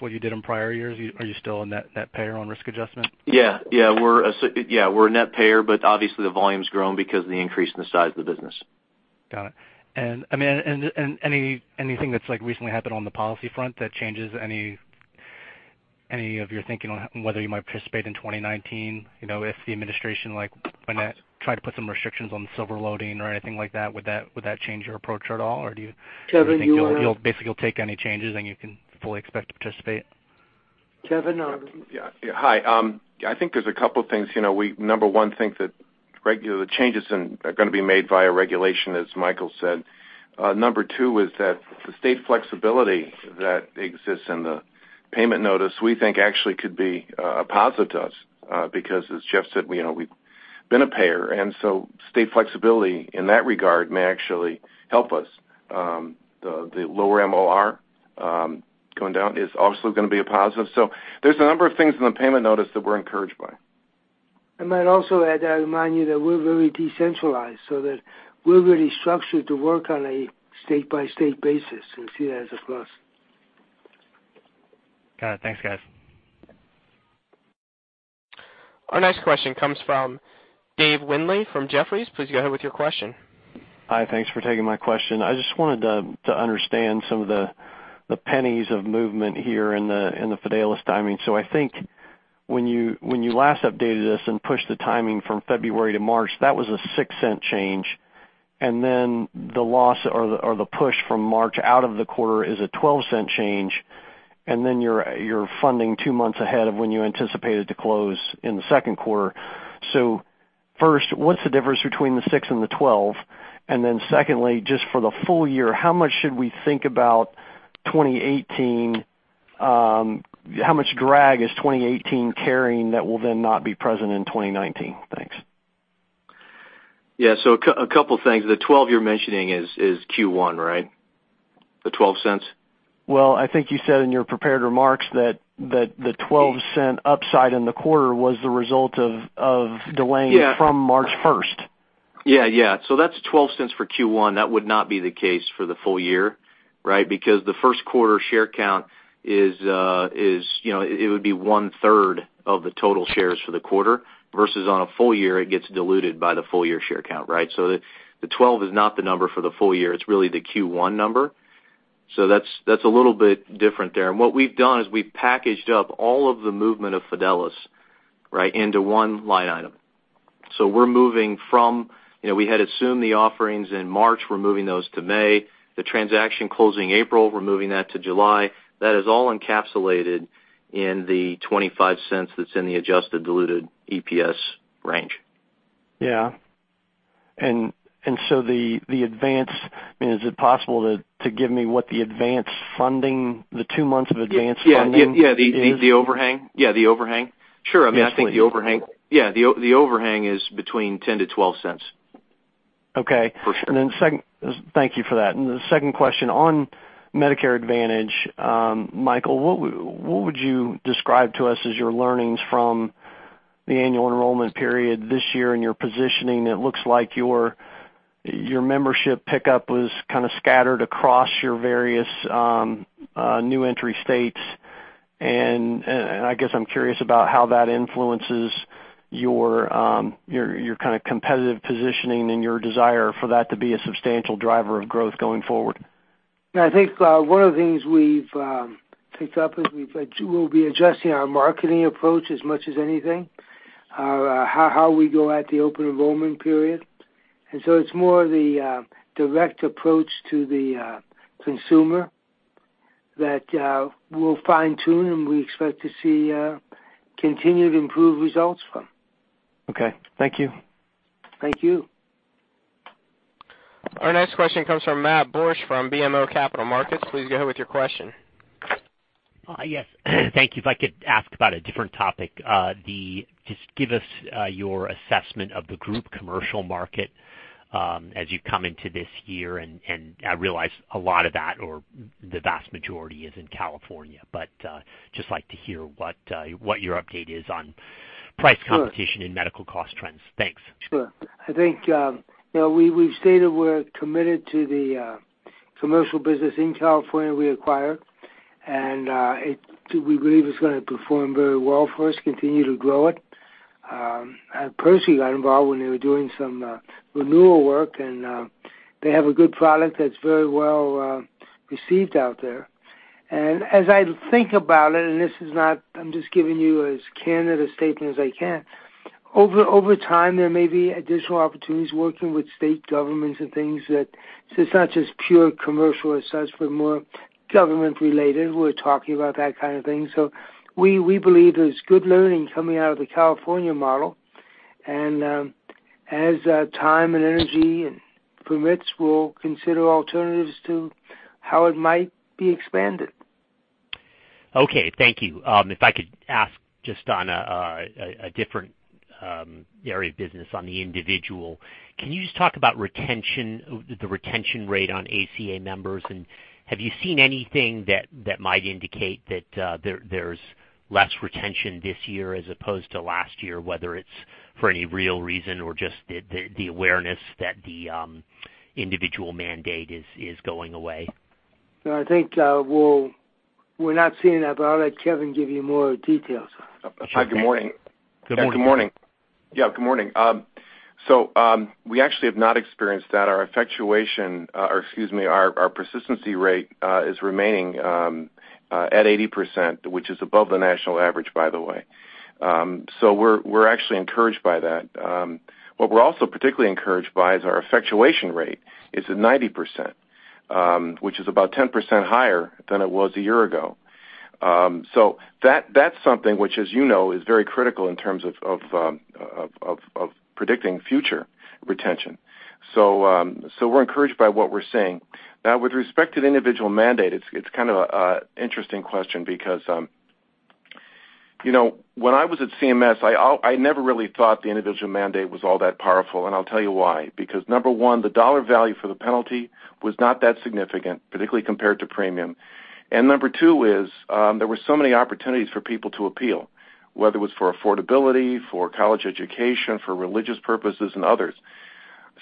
what you did in prior years? Are you still a net payer on risk adjustment? Yeah. We're a net payer, obviously the volume's grown because of the increase in the size of the business. Got it. Anything that's recently happened on the policy front that changes any of your thinking on whether you might participate in 2019? If the administration try to put some restrictions on the silver loading or anything like that, would that change your approach at all? Or do you. Kevin, you. Do you think you'll basically take any changes, and you can fully expect to participate? Kevin? Yeah. Hi. I think there's a couple things. We, number one, think that the changes are going to be made via regulation, as Michael said. Number two is that the state flexibility that exists in the payment notice, we think actually could be a positive to us, because as Jeff said, we've been a payer, and so state flexibility in that regard may actually help us. The lower MLR going down is also going to be a positive. There's a number of things in the payment notice that we're encouraged by. I might also add, I remind you that we're very decentralized, so that we're really structured to work on a state-by-state basis, and see that as a plus. Got it. Thanks, guys. Our next question comes from David Windley from Jefferies. Please go ahead with your question. Hi. Thanks for taking my question. I just wanted to understand some of the pennies of movement here in the Fidelis timing. I think when you last updated us and pushed the timing from February to March, that was a $0.06 change, and then the loss or the push from March out of the quarter is a $0.12 change, and then you're funding two months ahead of when you anticipated to close in the second quarter. First, what's the difference between the 6 and the 12? Secondly, just for the full year, how much should we think about 2018? How much drag is 2018 carrying that will then not be present in 2019? Thanks. Yeah. A couple things. The 12 you're mentioning is Q1, right? The $0.12? I think you said in your prepared remarks that the $0.12 upside in the quarter was the result of delaying- Yeah from March 1st. Yeah. That's $0.12 for Q1. That would not be the case for the full year, right? Because the first quarter share count, it would be one-third of the total shares for the quarter, versus on a full year, it gets diluted by the full year share count, right? The 12 is not the number for the full year. It's really the Q1 number. That's a little bit different there. What we've done is we've packaged up all of the movement of Fidelis into one line item. We're moving from, we had assumed the offerings in March, we're moving those to May. The transaction closing April, we're moving that to July. That is all encapsulated in the $0.25 that's in the adjusted diluted EPS range. Yeah. Is it possible to give me what the advance funding, the two months of advance funding is? Yeah. The overhang? Yeah, the overhang. Sure. I think the overhang is between $0.10-$0.12. Okay. For sure. Thank you for that. The second question on Medicare Advantage, Michael, what would you describe to us as your learnings from the annual enrollment period this year and your positioning? It looks like your membership pickup was kind of scattered across your various new entry states, and I guess I'm curious about how that influences your kind of competitive positioning and your desire for that to be a substantial driver of growth going forward. Yeah, I think one of the things we've picked up is we'll be adjusting our marketing approach as much as anything, how we go at the open enrollment period. It's more the direct approach to the consumer that we'll fine-tune, and we expect to see continued improved results from. Okay. Thank you. Thank you. Our next question comes from Matthew Borsch from BMO Capital Markets. Please go ahead with your question. Yes. Thank you. If I could ask about a different topic. Just give us your assessment of the group commercial market as you come into this year, and I realize a lot of that or the vast majority is in California. Just like to hear what your update is on price competition in medical cost trends. Thanks. Sure. I think we've stated we're committed to the commercial business in California we acquired, and we believe it's going to perform very well for us, continue to grow it. Percy got involved when they were doing some renewal work, and they have a good product that's very well received out there. As I think about it, and I'm just giving you as candid a statement as I can, over time, there may be additional opportunities working with state governments and things that it's not just pure commercial assets, but more government-related. We're talking about that kind of thing. We believe there's good learning coming out of the California model. As time and energy permits, we'll consider alternatives to how it might be expanded. Okay. Thank you. If I could ask just on a different area of business on the individual, can you just talk about the retention rate on ACA members, and have you seen anything that might indicate that there's less retention this year as opposed to last year, whether it's for any real reason or just the awareness that the individual mandate is going away? No, I think we're not seeing that, but I'll let Kevin give you more details. Sure. Good morning. Good morning. Good morning. We actually have not experienced that. Our effectuation, or excuse me, our persistency rate is remaining at 80%, which is above the national average, by the way. We're actually encouraged by that. What we're also particularly encouraged by is our effectuation rate is at 90%, which is about 10% higher than it was a year ago. That's something which, as you know, is very critical in terms of predicting future retention. We're encouraged by what we're seeing. Now, with respect to the individual mandate, it's kind of an interesting question because when I was at CMS, I never really thought the individual mandate was all that powerful, and I'll tell you why. Because number 1, the dollar value for the penalty was not that significant, particularly compared to premium. Number 2 is, there were so many opportunities for people to appeal, whether it was for affordability, for college education, for religious purposes, and others.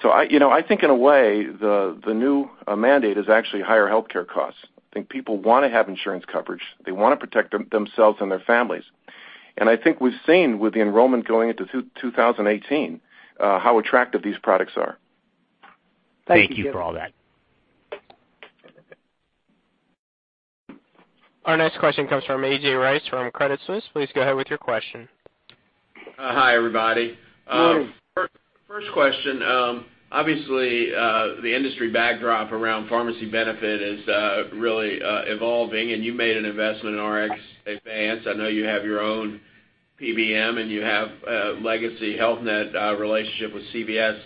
I think in a way, the new mandate is actually higher healthcare costs. I think people want to have insurance coverage. They want to protect themselves and their families. I think we've seen with the enrollment going into 2018, how attractive these products are. Thank you. Thank you for all that. Our next question comes from A.J. Rice from Credit Suisse. Please go ahead with your question. Hi, everybody. Morning. First question, obviously, the industry backdrop around pharmacy benefit is really evolving, and you made an investment in RxAdvance. I know you have your own PBM, and you have a legacy Health Net relationship with CVS.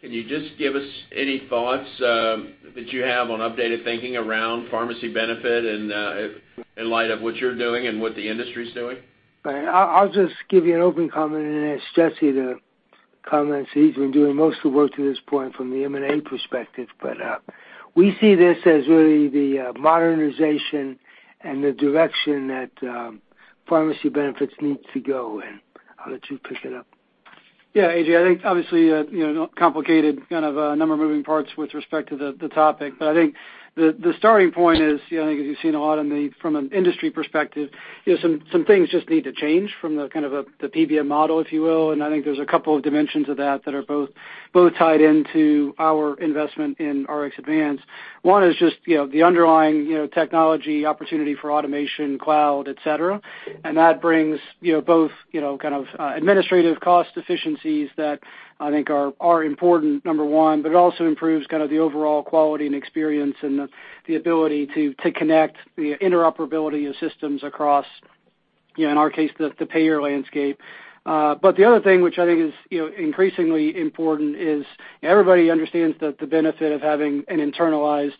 Can you just give us any thoughts that you have on updated thinking around pharmacy benefit in light of what you're doing and what the industry's doing? I'll just give you an open comment and then ask Jesse to comment, as he's been doing most of the work to this point from the M&A perspective. We see this as really the modernization and the direction that pharmacy benefits need to go. I'll let you pick it up. Yeah, A.J., I think complicated a number of moving parts with respect to the topic. I think the starting point is, I think as you've seen a lot from an industry perspective, some things just need to change from the PBM model, if you will. I think there's a couple of dimensions of that are both tied into our investment in RxAdvance. One is just the underlying technology opportunity for automation, cloud, et cetera. That brings both administrative cost efficiencies that I think are important, number one, but it also improves the overall quality and experience and the ability to connect the interoperability of systems across, in our case, the payer landscape. The other thing which I think is increasingly important is everybody understands the benefit of having an internalized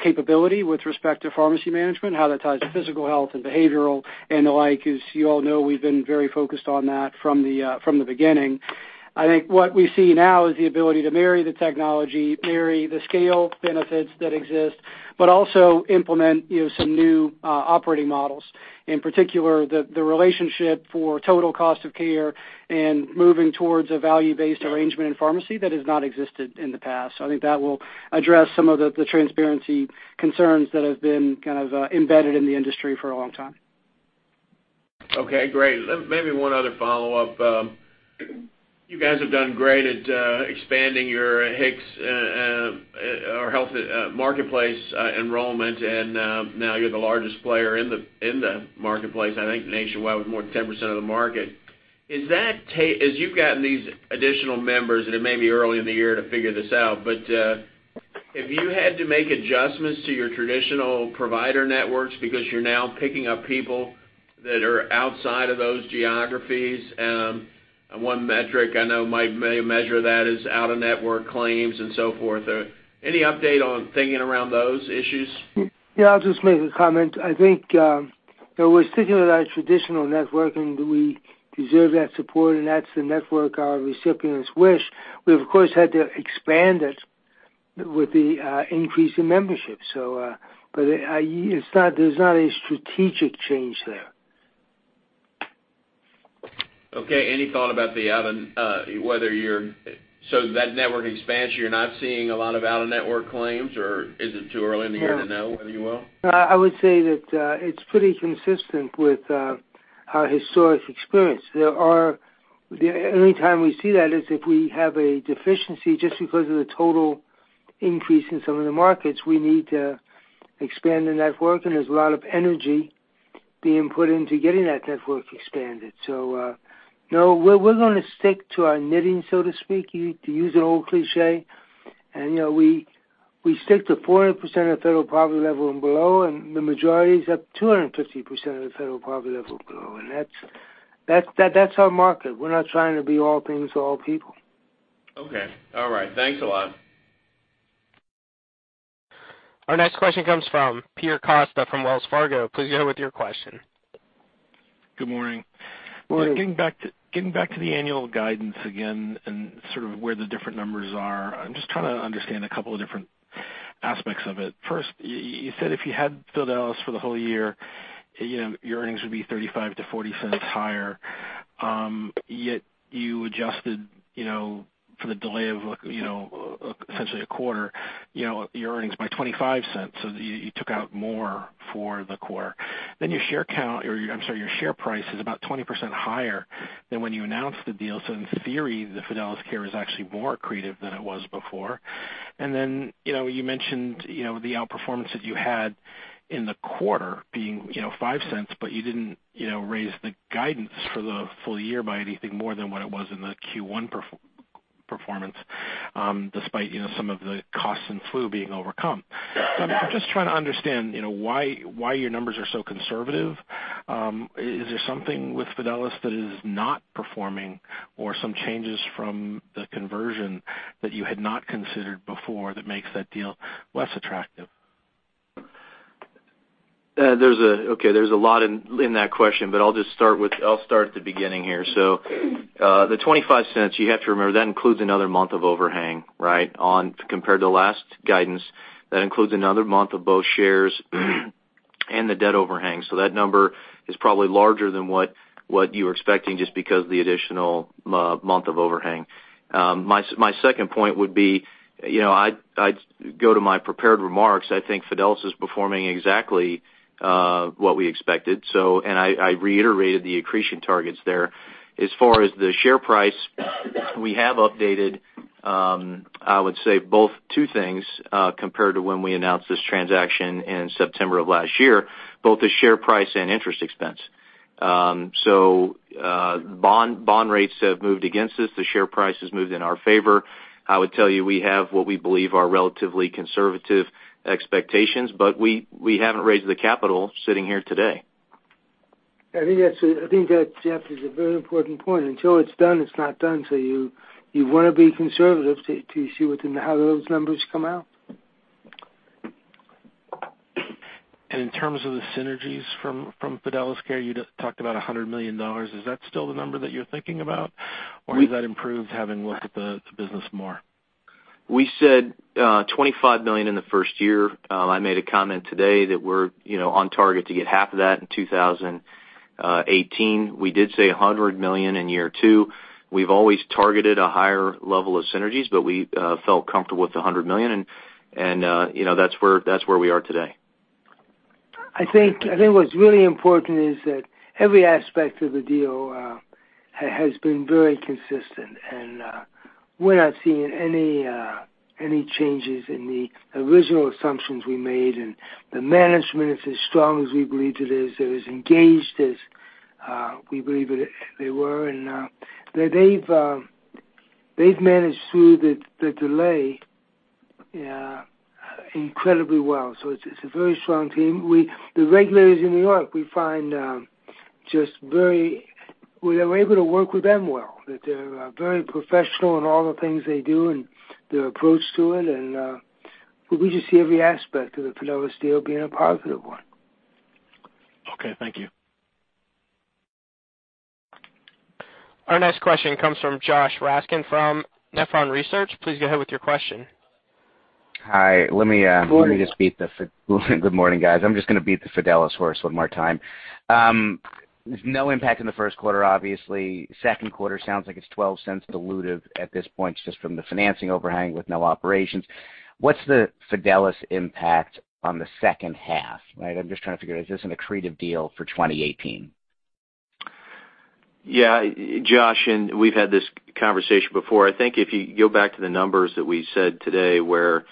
capability with respect to pharmacy management, how that ties to physical health and behavioral and the like. As you all know, we've been very focused on that from the beginning. I think what we see now is the ability to marry the technology, marry the scale benefits that exist, but also implement some new operating models. In particular, the relationship for total cost of care and moving towards a value-based arrangement in pharmacy that has not existed in the past. I think that will address some of the transparency concerns that have been embedded in the industry for a long time. Okay, great. Maybe one other follow-up. You guys have done great at expanding your HIX or Health Insurance Marketplace enrollment, now you're the largest player in the marketplace, I think nationwide, with more than 10% of the market. As you've gotten these additional members, it may be early in the year to figure this out, have you had to make adjustments to your traditional provider networks because you're now picking up people that are outside of those geographies? One metric I know might measure that is out-of-network claims and so forth. Any update on thinking around those issues? Yeah, I'll just make a comment. I think, we're sticking with our traditional network, we deserve that support, that's the network our recipients wish. We've, of course, had to expand it with the increase in membership. There's not any strategic change there. Okay. Any thought about that network expansion, you're not seeing a lot of out-of-network claims, or is it too early in the year to know whether you will? I would say that it's pretty consistent with our historic experience. The only time we see that is if we have a deficiency just because of the total increase in some of the markets, we need to expand the network, there's a lot of energy being put into getting that network expanded. No, we're going to stick to our knitting, so to speak, to use an old cliché. We stick to 400% of the federal poverty level and below, the majority is up 250% of the federal poverty level and below, that's our market. We're not trying to be all things to all people. Okay. All right. Thanks a lot. Our next question comes from Peter Costa from Wells Fargo. Please go ahead with your question. Good morning. Morning. Getting back to the annual guidance again and sort of where the different numbers are, I'm just trying to understand a couple of different aspects of it. First, you said if you had Fidelis for the whole year, your earnings would be $0.35-$0.40 higher. Yet you adjusted for the delay of essentially a quarter, your earnings by $0.25. You took out more for the quarter. Your share price is about 20% higher than when you announced the deal. In theory, the Fidelis Care is actually more accretive than it was before. You mentioned the outperformance that you had in the quarter being $0.05, but you didn't raise the guidance for the full year by anything more than what it was in the Q1 performance, despite some of the costs in flu being overcome. I'm just trying to understand why your numbers are so conservative. Is there something with Fidelis that is not performing or some changes from the conversion that you had not considered before that makes that deal less attractive? Okay, there's a lot in that question, I'll start at the beginning here. The $0.25, you have to remember that includes another month of overhang, right? Compared to last guidance, that includes another month of both shares and the debt overhang. That number is probably larger than what you were expecting just because of the additional month of overhang. My second point would be, I'd go to my prepared remarks. I think Fidelis is performing exactly what we expected. I reiterated the accretion targets there. As far as the share price, we have updated, I would say two things, compared to when we announced this transaction in September of last year, both the share price and interest expense. Bond rates have moved against us. The share price has moved in our favor. I would tell you, we have what we believe are relatively conservative expectations, we haven't raised the capital sitting here today. I think that, Jeff, is a very important point. Until it's done, it's not done. You want to be conservative to see how those numbers come out. In terms of the synergies from Fidelis Care, you talked about $100 million. Is that still the number that you're thinking about? Or has that improved having looked at the business more? We said $25 million in the first year. I made a comment today that we're on target to get half of that in 2018. We did say $100 million in year two. We've always targeted a higher level of synergies, but we felt comfortable with the $100 million, and that's where we are today. I think what's really important is that every aspect of the deal has been very consistent, and we're not seeing any changes in the original assumptions we made, and the management is as strong as we believed it is. It is engaged as we believe they were, and they've managed through the delay incredibly well. It's a very strong team. The regulators in New York, we find just we are able to work with them well, that they're very professional in all the things they do and their approach to it. We just see every aspect of the Fidelis deal being a positive one. Okay. Thank you. Our next question comes from Josh Raskin from Nephron Research. Please go ahead with your question. Hi. Good morning. Good morning, guys. I'm just going to beat the Fidelis horse one more time. There's no impact in the first quarter, obviously. Second quarter sounds like it's $0.12 dilutive at this point, just from the financing overhang with no operations. What's the Fidelis impact on the second half, right? I'm just trying to figure out, is this an accretive deal for 2018? Josh, we've had this conversation before. I think if you go back to the numbers that we said today, where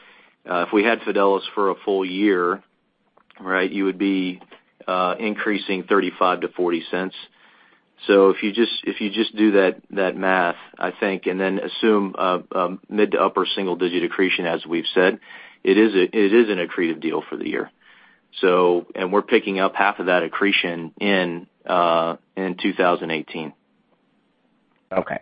if we had Fidelis for a full year, right, you would be increasing $0.35-$0.40. If you just do that math, I think, and then assume a mid to upper single-digit accretion, as we've said, it is an accretive deal for the year. We're picking up half of that accretion in 2018. Okay.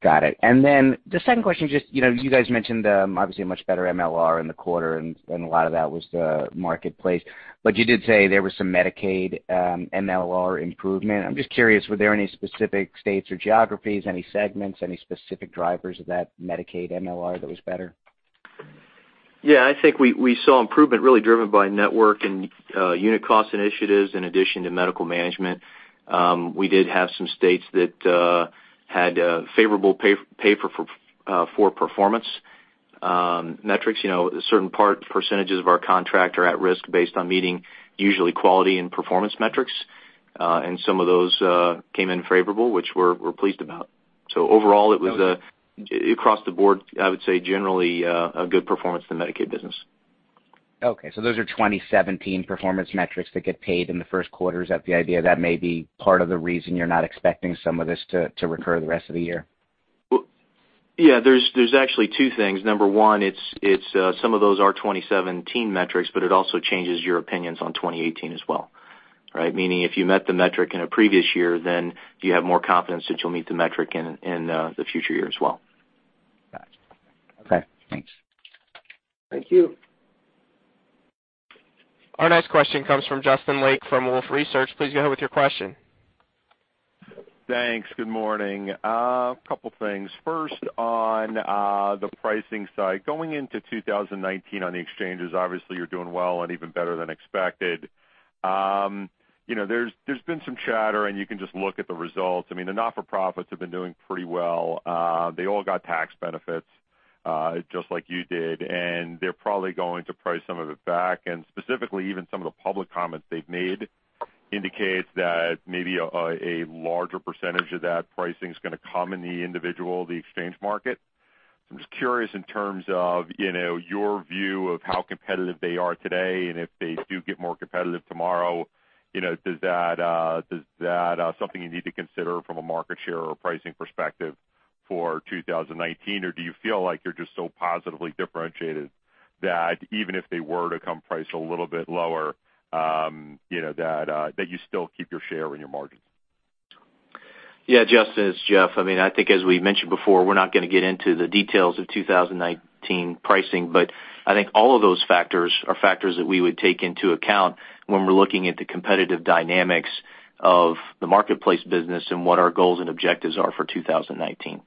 Got it. The second question, just you guys mentioned obviously a much better MLR in the quarter, and a lot of that was the marketplace. You did say there was some Medicaid MLR improvement. I'm just curious, were there any specific states or geographies, any segments, any specific drivers of that Medicaid MLR that was better? I think we saw improvement really driven by network and unit cost initiatives in addition to medical management. We did have some states that had favorable pay for performance metrics. Certain percentages of our contract are at risk based on meeting usually quality and performance metrics. Some of those came in favorable, which we're pleased about. Overall, it was across the board, I would say generally, a good performance in the Medicaid business. Okay. Those are 2017 performance metrics that get paid in the first quarter. Is that the idea that may be part of the reason you're not expecting some of this to recur the rest of the year? There's actually two things. Number one, it's some of those are 2017 metrics, it also changes your opinions on 2018 as well, right? Meaning, if you met the metric in a previous year, you have more confidence that you'll meet the metric in the future year as well. Got it. Okay, thanks. Thank you. Our next question comes from Justin Lake from Wolfe Research. Please go ahead with your question. Thanks. Good morning. A couple things. First, on the pricing side, going into 2019 on the exchanges, obviously, you're doing well and even better than expected. There's been some chatter, and you can just look at the results. I mean, the not-for-profits have been doing pretty well. They all got tax benefits, just like you did, and they're probably going to price some of it back, and specifically even some of the public comments they've made indicates that maybe a larger percentage of that pricing is going to come in the individual, the exchange market. I'm just curious in terms of your view of how competitive they are today, and if they do get more competitive tomorrow, is that something you need to consider from a market share or pricing perspective for 2019? Do you feel like you're just so positively differentiated that even if they were to come price a little bit lower, that you still keep your share and your margins? Yeah, Justin, it's Jeff. I think as we mentioned before, we're not going to get into the details of 2019 pricing, but I think all of those factors are factors that we would take into account when we're looking at the competitive dynamics of the marketplace business and what our goals and objectives are for 2019.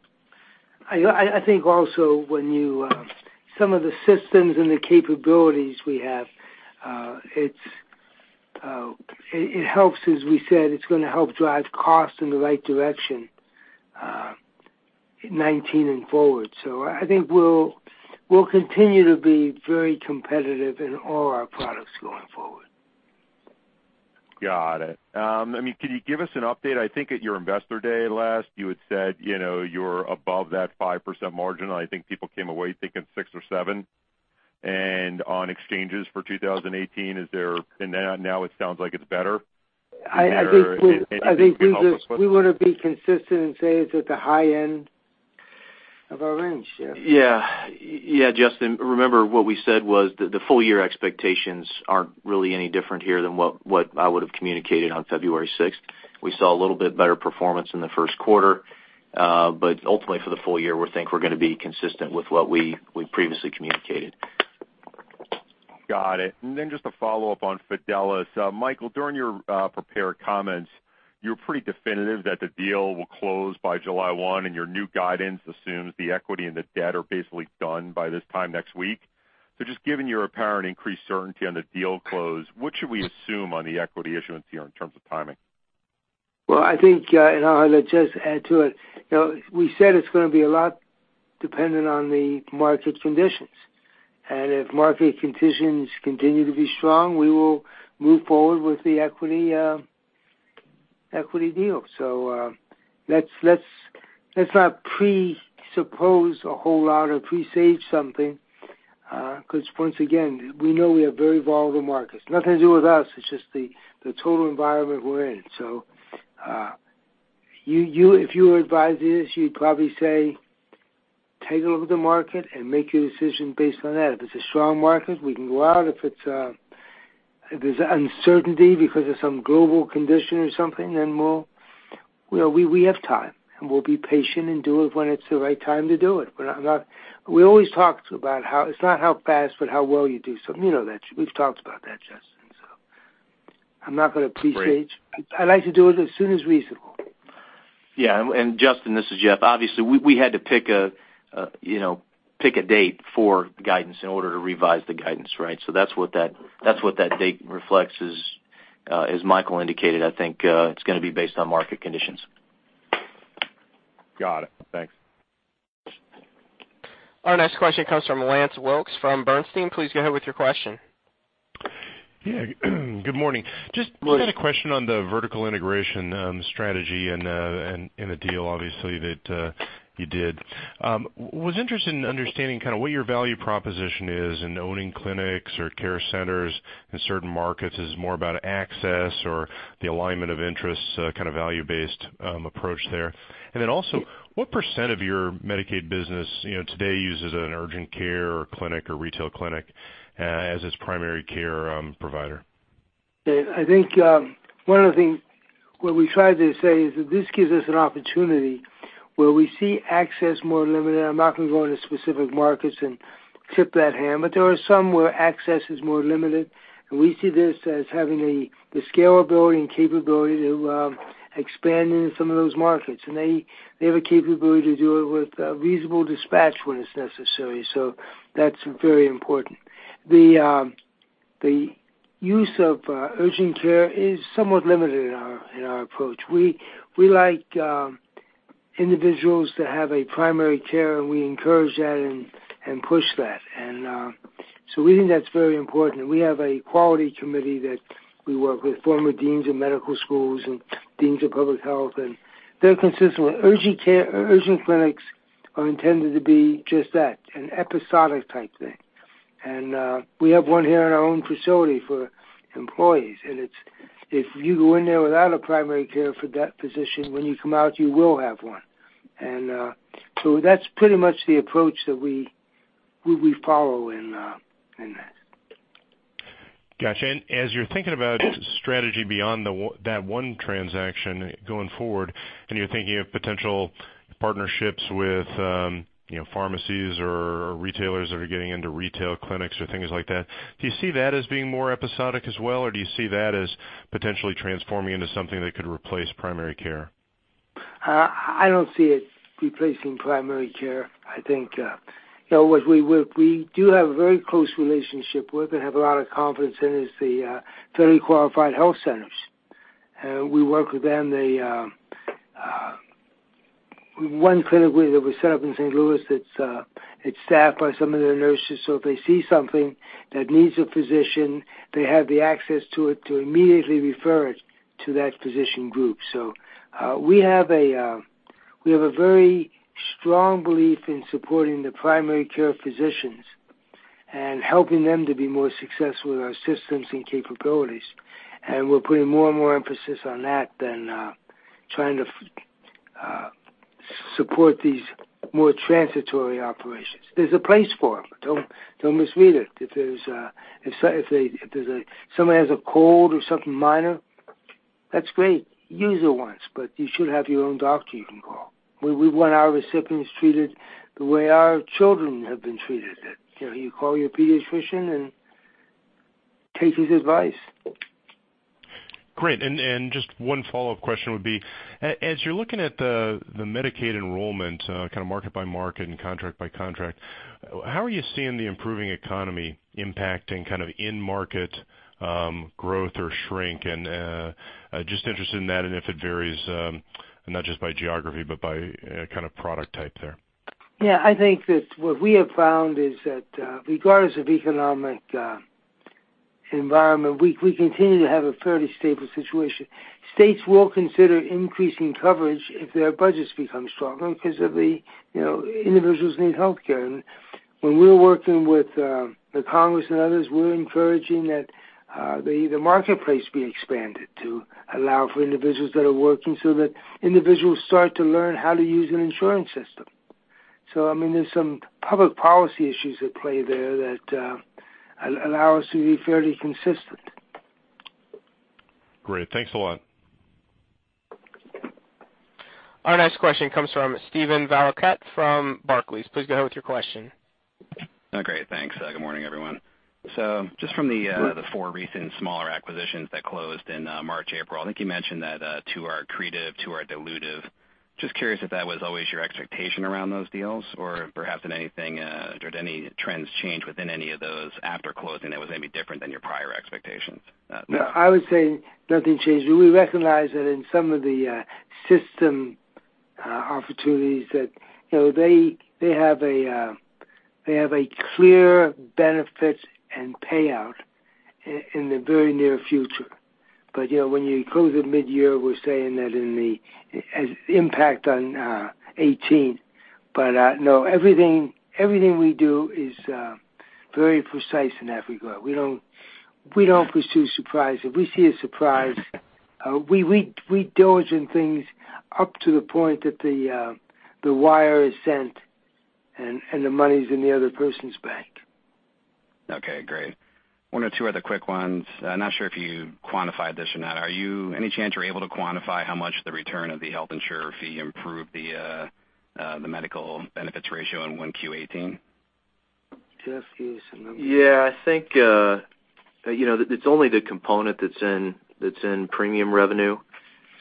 I think also when some of the systems and the capabilities we have, it helps, as we said, it's going to help drive cost in the right direction, 2019 and forward. I think we'll continue to be very competitive in all our products going forward. Got it. Can you give us an update? I think at your Investor Day last, you had said, you're above that 5% margin, and I think people came away thinking 6% or 7%. On exchanges for 2018, now it sounds like it's better. Can you help us with? I think we want to be consistent and say it's at the high end of our range, Jeff. Yeah. Justin, remember what we said was that the full year expectations aren't really any different here than what I would've communicated on February 6. We saw a little bit better performance in the first quarter. Ultimately, for the full year, we think we're going to be consistent with what we previously communicated. Got it. Then just a follow-up on Fidelis Care. Michael, during your prepared comments, you were pretty definitive that the deal will close by July 1, your new guidance assumes the equity and the debt are basically done by this time next week. Just given your apparent increased certainty on the deal close, what should we assume on the equity issuance here in terms of timing? Well, I think, I'll let Jeff add to it. We said it's going to be a lot dependent on the market conditions. If market conditions continue to be strong, we will move forward with the equity deal. Let's not presuppose a whole lot or presage something, once again, we know we have very volatile markets. Nothing to do with us. It's just the total environment we're in. If you were advisors, you'd probably say, "Take a look at the market and make your decision based on that." If it's a strong market, we can go out. If there's uncertainty because of some global condition or something, then we have time, we'll be patient and do it when it's the right time to do it. We always talked about how it's not how fast, but how well you do something. You know that. We've talked about that, Justin. Great. I'd like to do it as soon as reasonable. Yeah. Justin, this is Jeff. Obviously, we had to pick a date for guidance in order to revise the guidance, right? That's what that date reflects is, as Michael indicated, I think, it's going to be based on market conditions. Got it. Thanks. Our next question comes from Lance Wilkes from Bernstein. Please go ahead with your question. Yeah. Good morning. Lance We had a question on the vertical integration strategy and the deal, obviously, that you did. Was interested in understanding kind of what your value proposition is in owning clinics or care centers in certain markets. Is it more about access or the alignment of interests, kind of value-based approach there? Then also, what % of your Medicaid business today uses an urgent care or clinic or retail clinic as its primary care provider? I think one of the thing, what we try to say is that this gives us an opportunity where we see access more limited. I'm not going to go into specific markets and tip that hand, but there are some where access is more limited, and we see this as having the scalability and capability to expand into some of those markets. They have a capability to do it with reasonable dispatch when it's necessary. That's very important. The use of urgent care is somewhat limited in our approach. We like individuals to have a primary care, and we encourage that and push that. We think that's very important, and we have a quality committee that we work with, former deans of medical schools and deans of public health, and they're consistent with urgent care. Urgent clinics are intended to be just that, an episodic type thing. We have one here in our own facility for employees, if you go in there without a primary care physician, when you come out, you will have one. That's pretty much the approach that we follow in that. Got you. As you're thinking about strategy beyond that one transaction going forward, you're thinking of potential partnerships with pharmacies or retailers that are getting into retail clinics or things like that, do you see that as being more episodic as well, or do you see that as potentially transforming into something that could replace primary care? I don't see it replacing primary care. We do have a very close relationship with and have a lot of confidence in, is the federally qualified health centers. We work with them. One clinic that was set up in St. Louis, it's staffed by some of their nurses, if they see something that needs a physician, they have the access to it to immediately refer it to that physician group. We have a very strong belief in supporting the primary care physicians and helping them to be more successful with our systems and capabilities. We're putting more and more emphasis on that than trying to support these more transitory operations. There's a place for them. Don't misread it. If someone has a cold or something minor, that's great. Use it once, you should have your own doctor you can call. We want our recipients treated the way our children have been treated, that you call your pediatrician and take his advice. Great. Just one follow-up question would be, as you're looking at the Medicaid enrollment, kind of market by market and contract by contract, how are you seeing the improving economy impacting kind of in-market growth or shrink? Just interested in that and if it varies, not just by geography but by kind of product type there. Yeah. I think that what we have found is that, regardless of economic environment, we continue to have a fairly stable situation. States will consider increasing coverage if their budgets become stronger because individuals need healthcare. When we're working with the Congress and others, we're encouraging that the marketplace be expanded to allow for individuals that are working, so that individuals start to learn how to use an insurance system. I mean, there are some public policy issues at play there that allow us to be fairly consistent. Great. Thanks a lot. Our next question comes from Stephen Verkat from Barclays. Please go ahead with your question. Oh, great, thanks. Good morning, everyone. Just from the four recent smaller acquisitions that closed in March, April, I think you mentioned that two are accretive, two are dilutive. Just curious if that was always your expectation around those deals, or perhaps did any trends change within any of those after closing that was maybe different than your prior expectations? No, I would say nothing changed. We recognize that in some of the system opportunities that they have a clear benefit and payout in the very near future. When you close at mid-year, we're saying that in the impact on 2018. No, everything we do is very precise in that regard. We don't pursue surprise. If we see a surprise, we diligence things up to the point that the wire is sent and the money's in the other person's bank. Okay, great. One or two other quick ones. Not sure if you quantified this or not. Any chance you're able to quantify how much the return of the Health Insurer Fee improved the Medical Loss Ratio in 1Q18? Jeff, do you remember? I think it's only the component that's in premium revenue,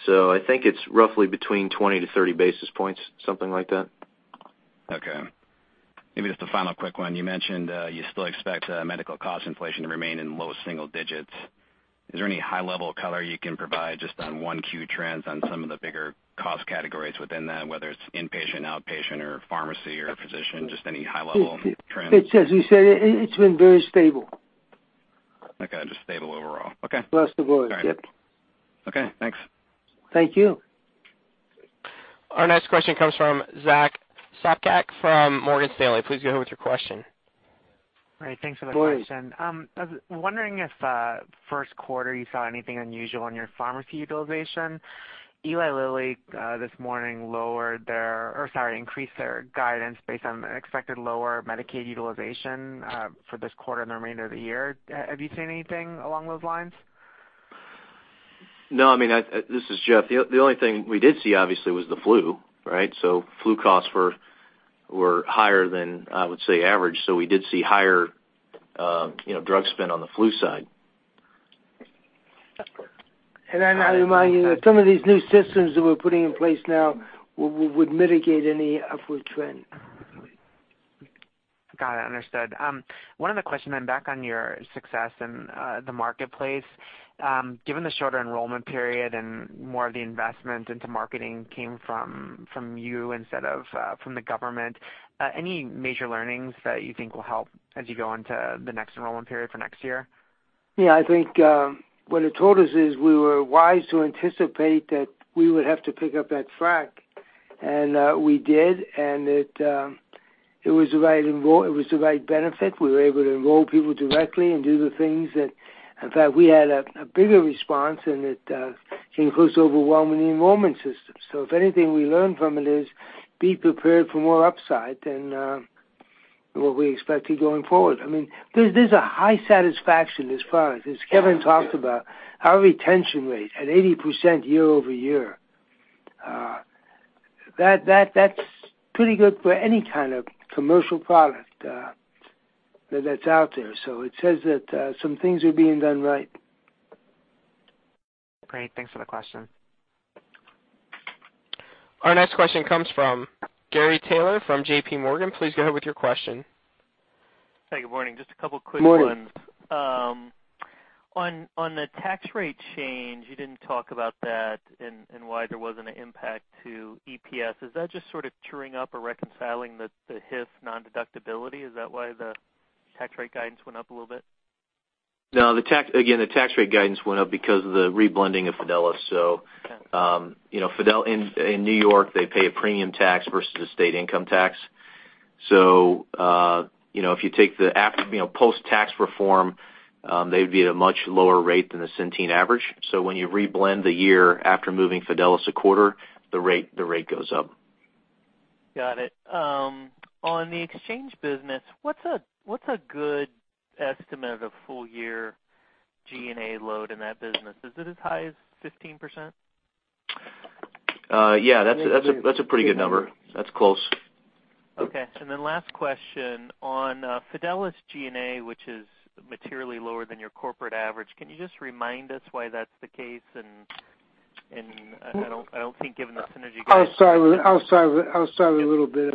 so I think it's roughly between 20 to 30 basis points, something like that. Maybe just a final quick one. You mentioned you still expect medical cost inflation to remain in low single digits. Is there any high-level color you can provide just on 1Q trends on some of the bigger cost categories within that, whether it's inpatient, outpatient, or pharmacy or physician, just any high-level trends? It's as we said, it's been very stable. Just stable overall. Okay. That's the word. Yep. Okay, thanks. Thank you. Our next question comes from Zack Sopcak from Morgan Stanley. Please go ahead with your question. All right. Thanks for the question. Go ahead. I was wondering if first quarter you saw anything unusual in your pharmacy utilization. Eli Lilly this morning increased their guidance based on expected lower Medicaid utilization for this quarter and the remainder of the year. Have you seen anything along those lines? No. I mean, this is Jeff. The only thing we did see, obviously, was the flu, right? Flu costs were higher than I would say average. We did see higher drug spend on the flu side. I remind you that some of these new systems that we're putting in place now would mitigate any upward trend. Got it. Understood. One other question then, back on your success in the Health Insurance Marketplace. Given the shorter enrollment period and more of the investment into marketing came from you instead of from the government, any major learnings that you think will help as you go into the next enrollment period for next year? I think what it told us is we were wise to anticipate that we would have to pick up that frac, and we did, and it was the right benefit. We were able to enroll people directly and do the things that In fact, we had a bigger response, and it includes overwhelming enrollment systems. If anything we learned from it is be prepared for more upside than what we expected going forward. There's a high satisfaction as far as Kevin talked about, our retention rate at 80% year-over-year. That's pretty good for any kind of commercial product that's out there. It says that some things are being done right. Great. Thanks for the question. Our next question comes from Gary Taylor from JPMorgan. Please go ahead with your question. Hey, good morning. Just a couple quick ones. Morning. On the tax rate change, you didn't talk about that and why there wasn't an impact to EPS. Is that just sort of truing up or reconciling the HIF non-deductibility? Is that why the tax rate guidance went up a little bit? Again, the tax rate guidance went up because of the reblending of Fidelis. In New York, they pay a premium tax versus a state income tax. When you reblend the year after moving Fidelis a quarter, the rate goes up. Got it. On the exchange business, what's a good estimate of full-year G&A load in that business? Is it as high as 15%? Yeah, that's a pretty good number. That's close. Okay, last question on Fidelis G&A, which is materially lower than your corporate average, can you just remind us why that's the case? I don't think given the synergy- I'll start a little bit.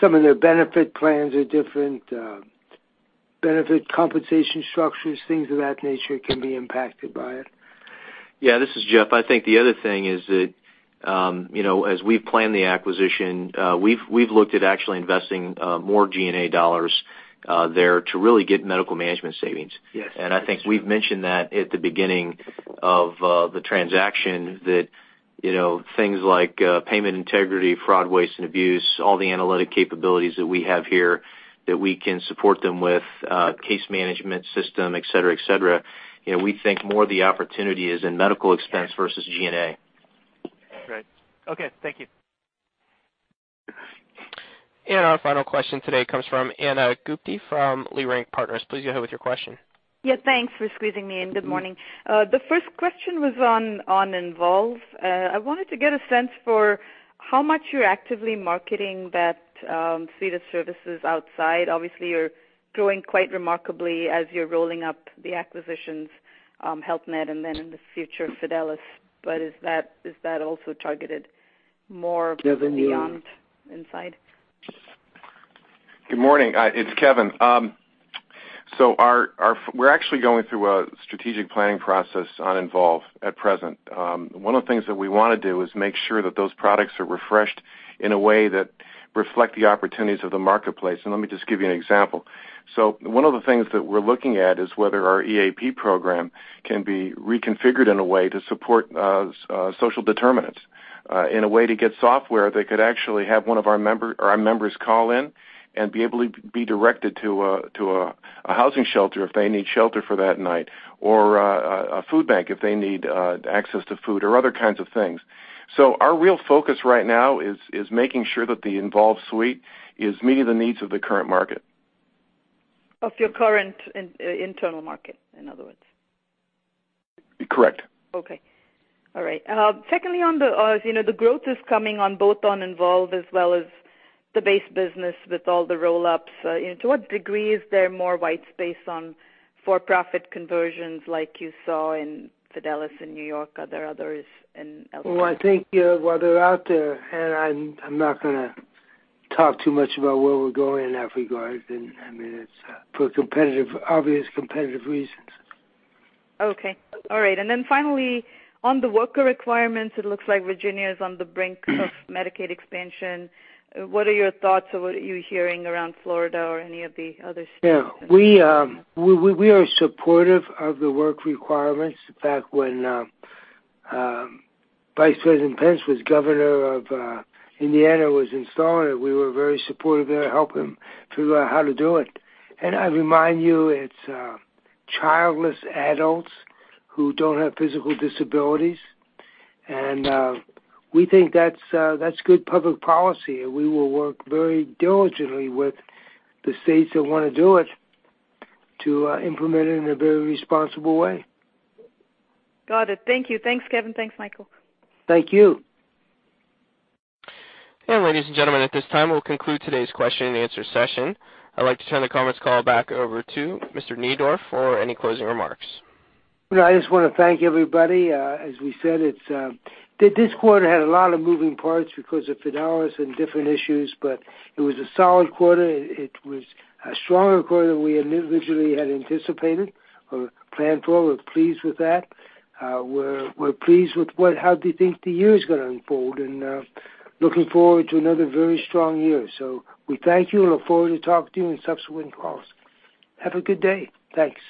Some of their benefit plans are different, benefit compensation structures, things of that nature can be impacted by it. Yeah, this is Jeff. I think the other thing is that, as we've planned the acquisition, we've looked at actually investing more G&A dollars there to really get medical management savings. Yes. I think we've mentioned that at the beginning of the transaction that things like payment integrity, fraud, waste, and abuse, all the analytic capabilities that we have here that we can support them with, case management system, et cetera. We think more of the opportunity is in medical expense versus G&A. Great. Okay, thank you. Our final question today comes from Ana Gupte from Leerink Partners. Please go ahead with your question. Thanks for squeezing me in. Good morning. The first question was on Envolve. I wanted to get a sense for how much you're actively marketing that suite of services outside. Obviously, you're growing quite remarkably as you're rolling up the acquisitions, Health Net, and then in the future, Fidelis. Is that also targeted more beyond inside? Kevin, you want to Good morning. It's Kevin. We're actually going through a strategic planning process on Envolve at present. One of the things that we want to do is make sure that those products are refreshed in a way that reflect the opportunities of the marketplace, let me just give you an example. One of the things that we're looking at is whether our EAP program can be reconfigured in a way to support social determinants in a way to get software that could actually have one of our members call in and be able to be directed to a housing shelter if they need shelter for that night or a food bank if they need access to food or other kinds of things. Our real focus right now is making sure that the Envolve suite is meeting the needs of the current market. Of your current internal market, in other words? Correct. Okay. All right. Secondly, as you know, the growth is coming on both on Envolve as well as the base business with all the roll-ups. To what degree is there more white space on for-profit conversions like you saw in Fidelis in New York? Are there others in L.A.? Well, I think while they're out there, I'm not going to talk too much about where we're going in that regard. I mean, it's for obvious competitive reasons. Okay. All right. Finally, on the worker requirements, it looks like Virginia is on the brink of Medicaid expansion. What are your thoughts or what are you hearing around Florida or any of the other states? Yeah. We are supportive of the work requirements. In fact, when Vice President Pence was governor of Indiana, was installing it, we were very supportive there to help him figure out how to do it. I remind you, it's childless adults who don't have physical disabilities. We think that's good public policy, and we will work very diligently with the states that want to do it to implement it in a very responsible way. Got it. Thank you. Thanks, Kevin. Thanks, Michael. Thank you. Ladies and gentlemen, at this time, we'll conclude today's question and answer session. I'd like to turn the conference call back over to Mr. Neidorff for any closing remarks. I just want to thank everybody. As we said, this quarter had a lot of moving parts because of Fidelis and different issues, but it was a solid quarter. It was a stronger quarter than we individually had anticipated or planned for. We're pleased with that. We're pleased with how we think the year is going to unfold, and looking forward to another very strong year. We thank you and look forward to talking to you in subsequent calls. Have a good day. Thanks.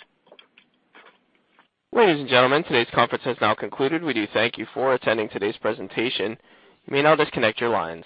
Ladies and gentlemen, today's conference has now concluded. We do thank you for attending today's presentation. You may now disconnect your lines.